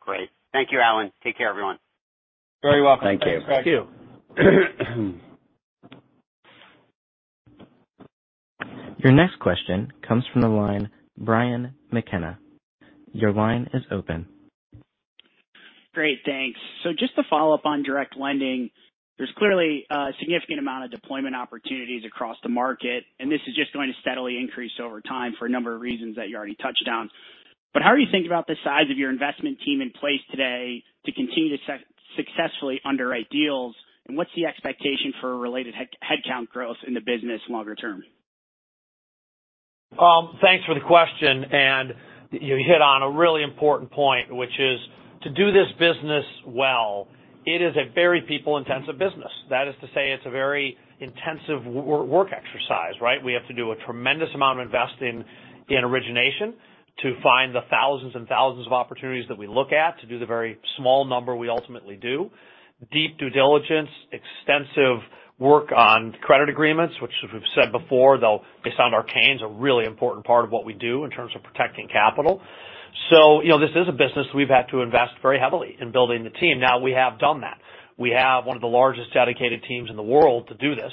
Great. Thank you, Alan. Take care, everyone. Very welcome. Thank you. Thank you. Your next question comes from the line, Brian McKenna. Your line is open. Great, thanks. Just to follow up on direct lending, there's clearly a significant amount of deployment opportunities across the market, and this is just going to steadily increase over time for a number of reasons that you already touched on. But how are you thinking about the size of your investment team in place today to continue to successfully underwrite deals? What's the expectation for related headcount growth in the business longer term? Thanks for the question, and you hit on a really important point, which is to do this business well. It is a very people-intensive business. That is to say it's a very intensive work exercise, right? We have to do a tremendous amount of investing in origination, to find the thousands and thousands of opportunities that we look at to do the very small number we ultimately do. Deep due diligence, extensive work on credit agreements, which as we've said before, they sound arcane, is a really important part of what we do in terms of protecting capital. You know, this is a business we've had to invest very heavily in building the team. Now we have done that. We have one of the largest dedicated teams in the world to do this.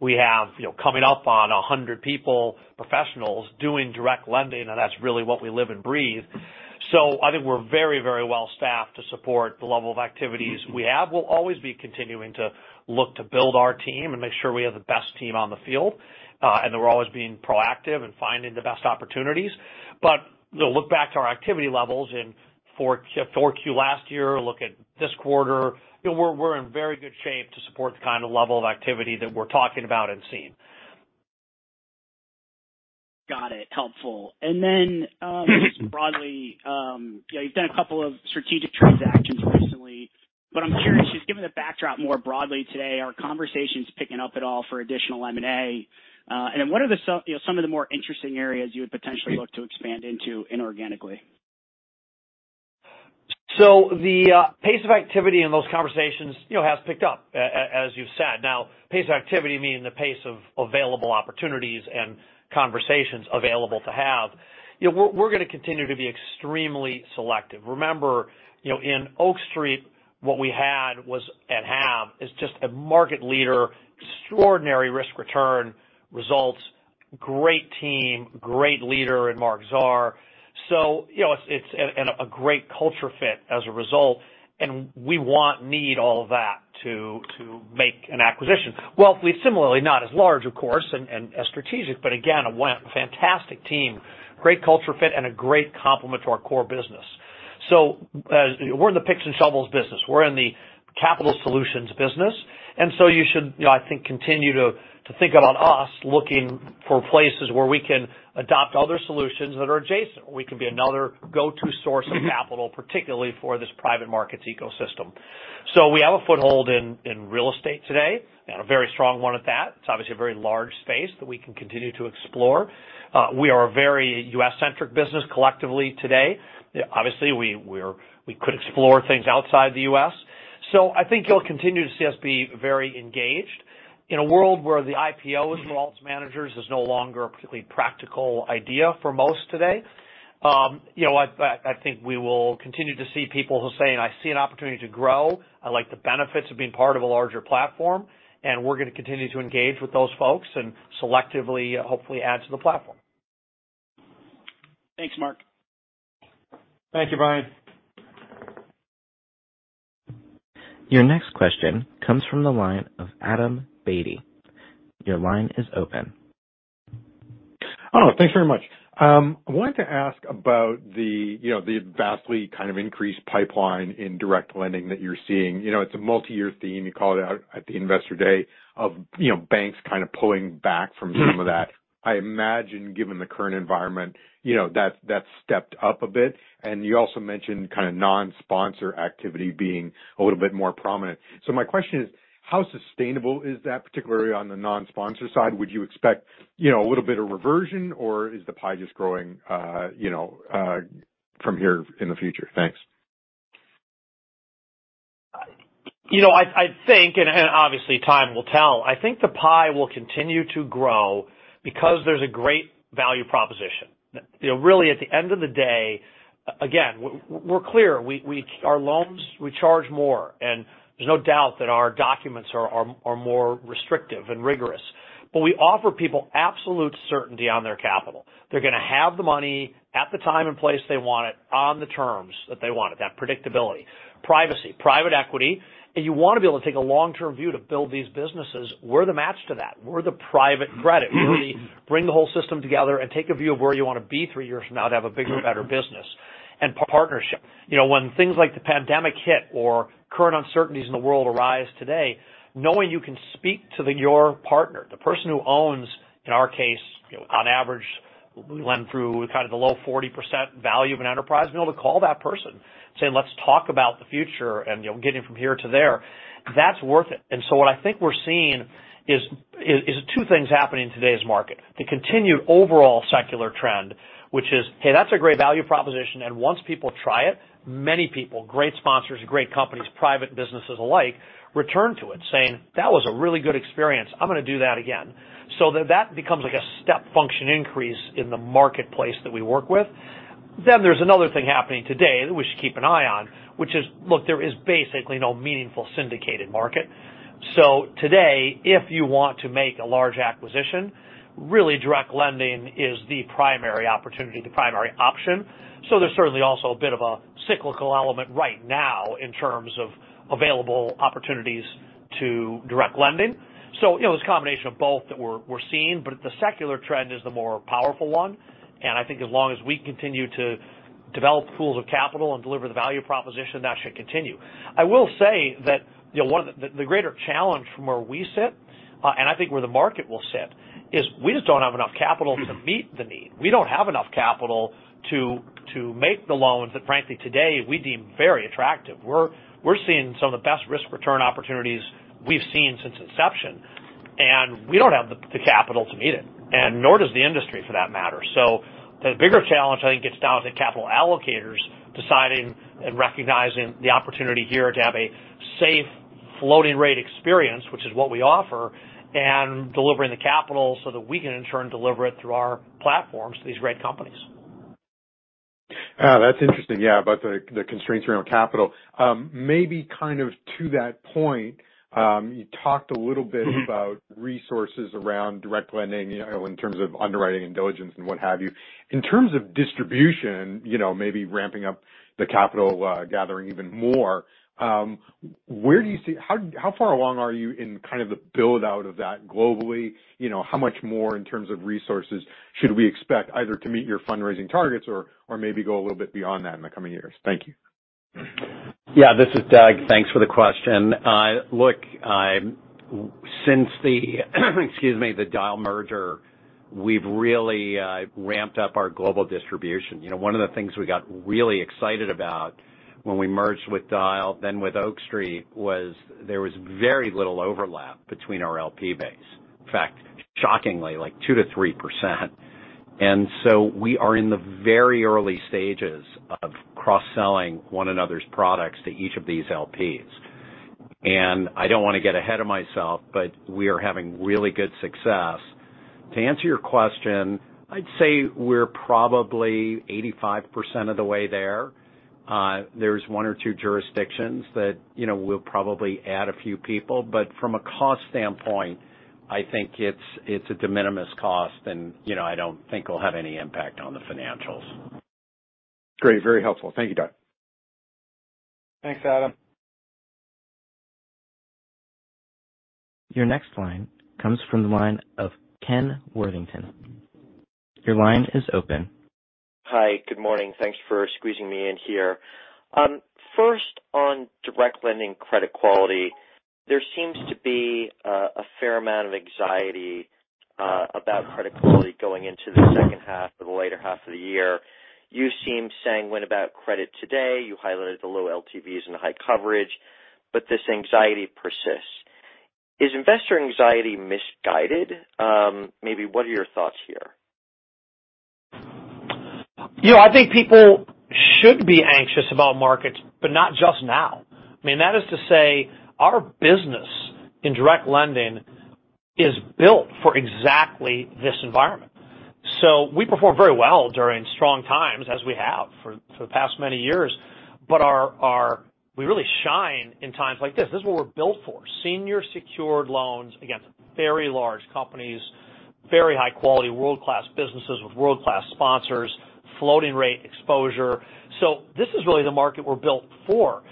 We have, you know, coming up on 100 people, professionals doing direct lending, and that's really what we live and breathe. I think we're very, very well staffed to support the level of activities we have. We'll always be continuing, to look to build our team and make sure we have the best team on the field, and that we're always being proactive in finding the best opportunities. You know, look back to our activity levels in Q4 last year, look at this quarter, you know, we're in very good shape to support the kind of level of activity that we're talking about and seeing. Got it. Helpful. Just broadly, you know, you've done a couple of strategic transactions recently. I'm curious, just given the backdrop more broadly today, are conversations picking up at all for additional M&A? What are some, you know, some of the more interesting areas you would potentially look to expand into inorganically? The pace of activity in those conversations, you know, has picked up as you've said. Now, pace of activity meaning the pace of available opportunities and conversations available to have. You know, we're gonna continue to be extremely selective. Remember, you know, in Oak Street, what we had and have is just a market leader, extraordinary risk-return results, great team, great leader in Marc Zahr. You know, it's and a great culture fit as a result, and we want need all of that to make an acquisition. Wellfleet similarly, not as large, of course, and as strategic, but again, a fantastic team, great culture fit, and a great complement to our core business. We're in the picks and shovels business. We're in the capital solutions business, and so you should, I think, continue to think about us looking for places where we can adopt other solutions that are adjacent. We can be another go-to source of capital, particularly for this private markets ecosystem. We have a foothold in real estate today, and a very strong one at that. It's obviously a very large space that we can continue to explore. We are a very U.S.-centric business collectively today. Obviously, we could explore things outside the U.S. I think you'll continue to see us be very engaged. In a world where the IPO as an alternative managers is no longer a particularly practical idea for most today, I think we will continue to see people who say, "I see an opportunity to grow. I like the benefits of being part of a larger platform." We're gonna continue to engage with those folks and selectively, hopefully add to the platform. Thanks, Marc. Thank you, Brian. Your next question comes from the line of Adam Beatty. Your line is open. Oh, thanks very much. I wanted to ask about the, you know, the vastly kind of increased pipeline in direct lending that you're seeing. You know, it's a multi-year theme. You called it out at the Investor Day of, you know, banks kind of pulling back from some of that. I imagine, given the current environment, you know, that's stepped up a bit. You also mentioned kind of non-sponsor activity being a little bit more prominent. My question is, how sustainable is that, particularly on the non-sponsor side? Would you expect, you know, a little bit of reversion, or is the pie just growing, you know, from here in the future? Thanks. You know, I think obviously time will tell. I think the pie will continue to grow because there's a great value proposition. You know, really at the end of the day, again, we're clear. Our loans, we charge more, and there's no doubt that our documents are more restrictive and rigorous. But we offer people absolute certainty on their capital. They're gonna have the money at the time and place they want it on the terms that they want it. That predictability. Privacy, private equity. You wanna be able to take a long-term view to build these businesses. We're the match to that. We're the private credit. We bring the whole system together and take a view of where you wanna be three years from now to have a bigger and better business. Partnership. You know, when things like the pandemic hit or current uncertainties in the world arise today, knowing you can speak to your partner, the person who owns, in our case, you know, on average, we lend through kind of the low 40% value of an enterprise, and be able to call that person, saying, "Let's talk about the future and, you know, getting from here to there." That's worth it. What I think we're seeing is two things happening in today's market. The continued overall secular trend, which is, hey, that's a great value proposition. Once people try it, many people, great sponsors, great companies, private businesses alike, return to it saying, "That was a really good experience. I'm gonna do that again." That becomes like a step function increase in the marketplace that we work with. There's another thing happening today that we should keep an eye on, which is, look, there is basically no meaningful syndicated market. Today, if you want to make a large acquisition, really direct lending is the primary opportunity, the primary option. There's certainly also a bit of a cyclical element right now in terms of available opportunities to direct lending. You know, it's a combination of both that we're seeing, but the secular trend is the more powerful one. I think as long as we continue to develop pools of capital and deliver the value proposition, that should continue. I will say that, you know, one of the greater challenge from where we sit, and I think where the market will sit is we just don't have enough capital to meet the need. We don't have enough capital to make the loans that frankly, today, we deem very attractive. We're seeing some of the best risk-return opportunities we've seen since inception, and we don't have the capital to meet it, and nor does the industry for that matter. The bigger challenge, I think, gets down to capital allocators deciding and recognizing the opportunity here to have a safe floating rate experience, which is what we offer, and delivering the capital so that we can in turn deliver it through our platforms to these great companies. That's interesting, yeah, about the constraints around capital. Maybe kind of to that point, you talked a little bit about resources around direct lending, you know, in terms of underwriting and diligence and what have you. In terms of distribution, you know, maybe ramping up the capital, gathering even more, where do you see how far along are you in kind of the build-out of that globally? You know, how much more in terms of resources should we expect either to meet your fundraising targets or maybe go a little bit beyond that in the coming years? Thank you. Yeah. This is Doug. Thanks for the question. Look, since the Dyal merger, we've really ramped up our global distribution. You know, one of the things we got really excited about when we merged with Dyal, then with Oak Street, was there was very little overlap between our LP base. In fact, shockingly, like 2%-3%. We are in the very early stages of cross-selling one another's products to each of these LPs. I don't wanna get ahead of myself, but we are having really good success. To answer your question, I'd say we're probably 85% of the way there. There's one or two jurisdictions that, you know, we'll probably add a few people, but from a cost standpoint, I think it's a de minimis cost and, you know, I don't think we'll have any impact on the financials. Great. Very helpful. Thank you, Doug. Thanks, Adam. Your next line comes from the line of Kenneth Worthington. Your line is open. Hi. Good morning. Thanks for squeezing me in here. First, on direct lending credit quality, there seems to be a fair amount of anxiety about credit quality going into the second half or the later half of the year. You seem sanguine about credit today. You highlighted the low LTVs and high coverage, but this anxiety persists. Is investor anxiety misguided? Maybe what are your thoughts here? You know, I think people should be anxious about markets, but not just now. I mean, that is to say, our business, in direct lending is built for exactly this environment. We perform very well during strong times as we have for the past many years. We really shine in times like this. This is what we're built for. Senior secured loans against very large companies, very high quality world-class businesses with world-class sponsors, floating rate exposure. This is really the market we're built for.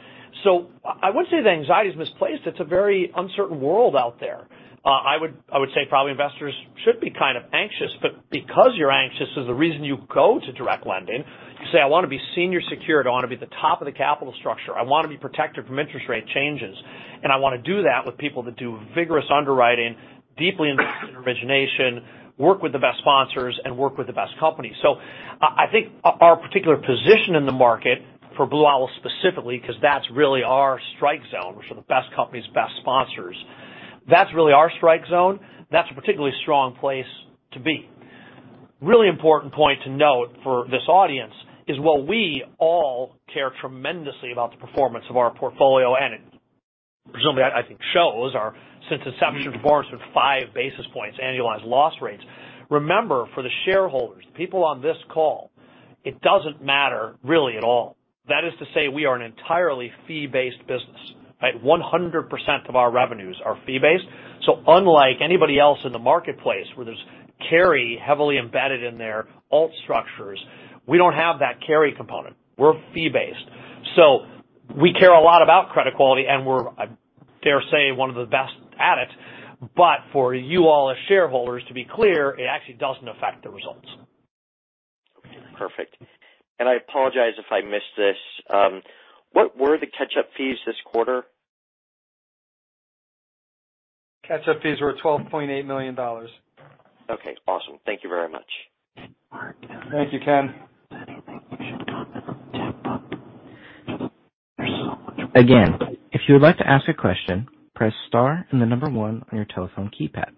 I wouldn't say the anxiety is misplaced. It's a very uncertain world out there. I would say probably investors should be kind of anxious, but because you're anxious is the reason you go to direct lending. You say, "I wanna be senior secured, I wanna be at the top of the capital structure. I wanna be protected from interest rate changes. I wanna do that with people that do vigorous underwriting, deeply invested in origination, work with the best sponsors, and work with the best companies." I think our particular position in the market for Blue Owl specifically, 'cause that's really our strike zone, which are the best companies, best sponsors. That's really our strike zone. That's a particularly strong place to be. Really important point to note for this audience is while we all, care tremendously about the performance of our portfolio, and presumably, it shows our since inception performance with five basis points annualized loss rates. Remember, for the shareholders, people on this call, it doesn't matter really at all. That is to say we are an entirely fee-based business, right? 100% of our revenues are fee-based. Unlike anybody else in the marketplace where there's carry heavily embedded in their alt structures, we don't have that carry component. We're fee-based. We care a lot about credit quality, and we're, I dare say, one of the best at it. For you all as shareholders, to be clear, it actually doesn't affect the results. Perfect. I apologize if I missed this. What were the catch-up fees this quarter? Catch-up fees were $12.8 million. Okay, awesome. Thank you very much. Thank you, Ken. Again, if you would like to ask a question, press star and the number one on your telephone keypad.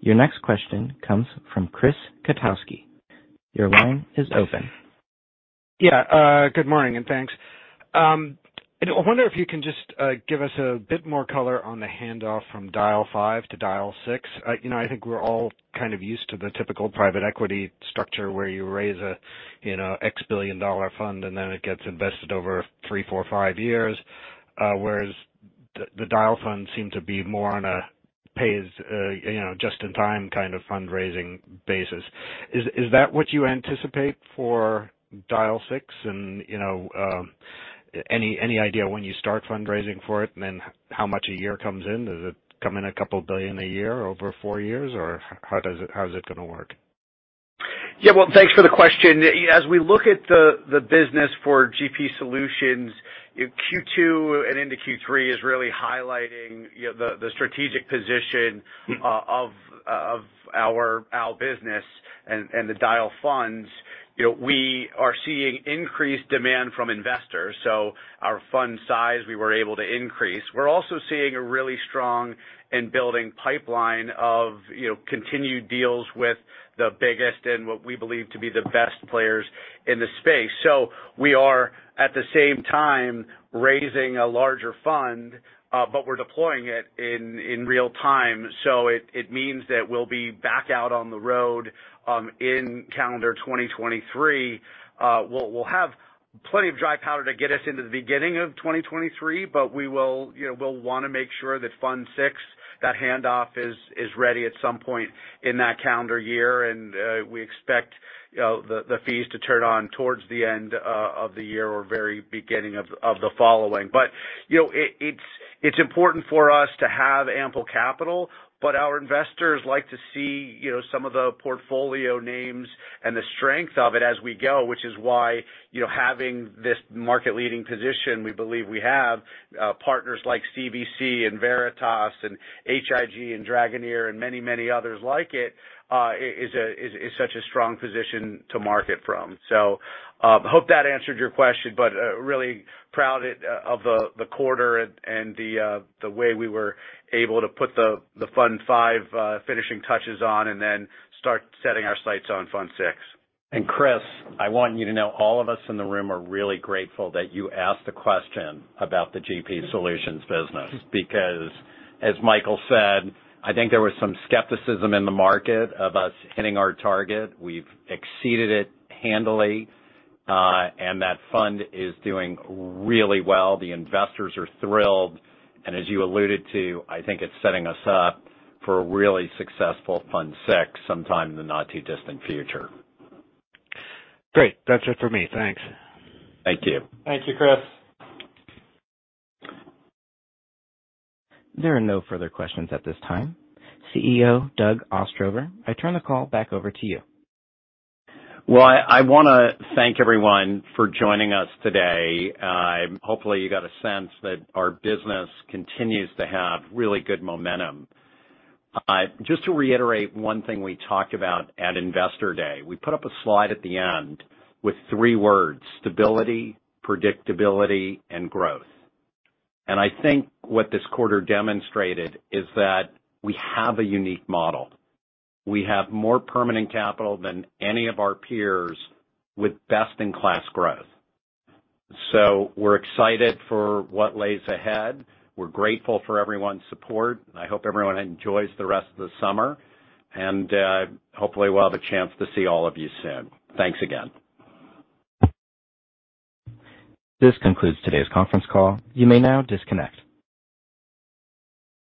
Your next question comes from Christoph Kotowski. Your line is open. Yeah, good morning, and thanks. I wonder if you can just give us a bit more color on the handoff from Dyal V to Dyal VI. You know, I think we're all kind of used to the typical private equity structure where you raise a, you know, $X billion fund, and then it gets invested over three, four, five years. Whereas the Dyal fund seemed to be more on a pay-as-you-go, just-in-time kind of fundraising basis. Is that what you anticipate for Dyal VI? And, you know, any idea when you start fundraising for it, and then how much a year comes in? Does it come in a couple of billion a year over four years? Or how is it gonna work? Yeah. Well, thanks for the question. As we look at the business for GP Solutions, Q2 and into Q3 is really highlighting the strategic position, of our business and the Dyal funds. You know, we are seeing increased demand from investors, so our fund size, we were able to increase. We're also seeing a really strong and building pipeline of, you know, continued deals with the biggest and what we believe to be the best players in the space. So we are, at the same time, raising a larger fund, but we're deploying it in real time. So it means that we'll be back out on the road in calendar 2023. We'll have plenty of dry powder to get us into the beginning of 2023, but we will, you know, we'll wanna make sure that Fund VI, that handoff is ready at some point in that calendar year. We expect, you know, the fees to turn on towards the end of the year or very beginning of the following. It's important for us to have ample capital. Our investors like to see, you know, some of the portfolio names and the strength of it as we go, which is why, you know, having this market leading position, we believe we have, partners like CVC and Veritas and HIG and Dragoneer and many others like it, is such a strong position to market from. hope that answered your question, but really proud of the quarter and the way we were able to put the fund five finishing touches on and then start setting our sights on fund six. Chris, I want you to know all of us in the room are really grateful that you asked the question about the GP Solutions business. Because as Michael said, I think there was some skepticism in the market of us hitting our target. We've exceeded it handily, and that fund is doing really well. The investors are thrilled. As you alluded to, I think it's setting us up for a really successful fund six sometime in the not too distant future. Great. That's it for me. Thanks. Thank you. Thank you, Chris. There are no further questions at this time. CEO Doug Ostrover, I turn the call back over to you. Well, I wanna thank everyone for joining us today. Hopefully, you got a sense that our business continues to have really good momentum. Just to reiterate one thing we talked about at Investor Day. We put up a slide at the end with three words: stability, predictability, and growth. I think what this quarter demonstrated is that we have a unique model. We have more permanent capital than any of our peers with best-in-class growth. We're excited for what lays ahead. We're grateful for everyone's support. I hope everyone enjoys the rest of the summer, and hopefully, we'll have a chance to see all of you soon. Thanks again. This concludes today's conference call. You may now disconnect.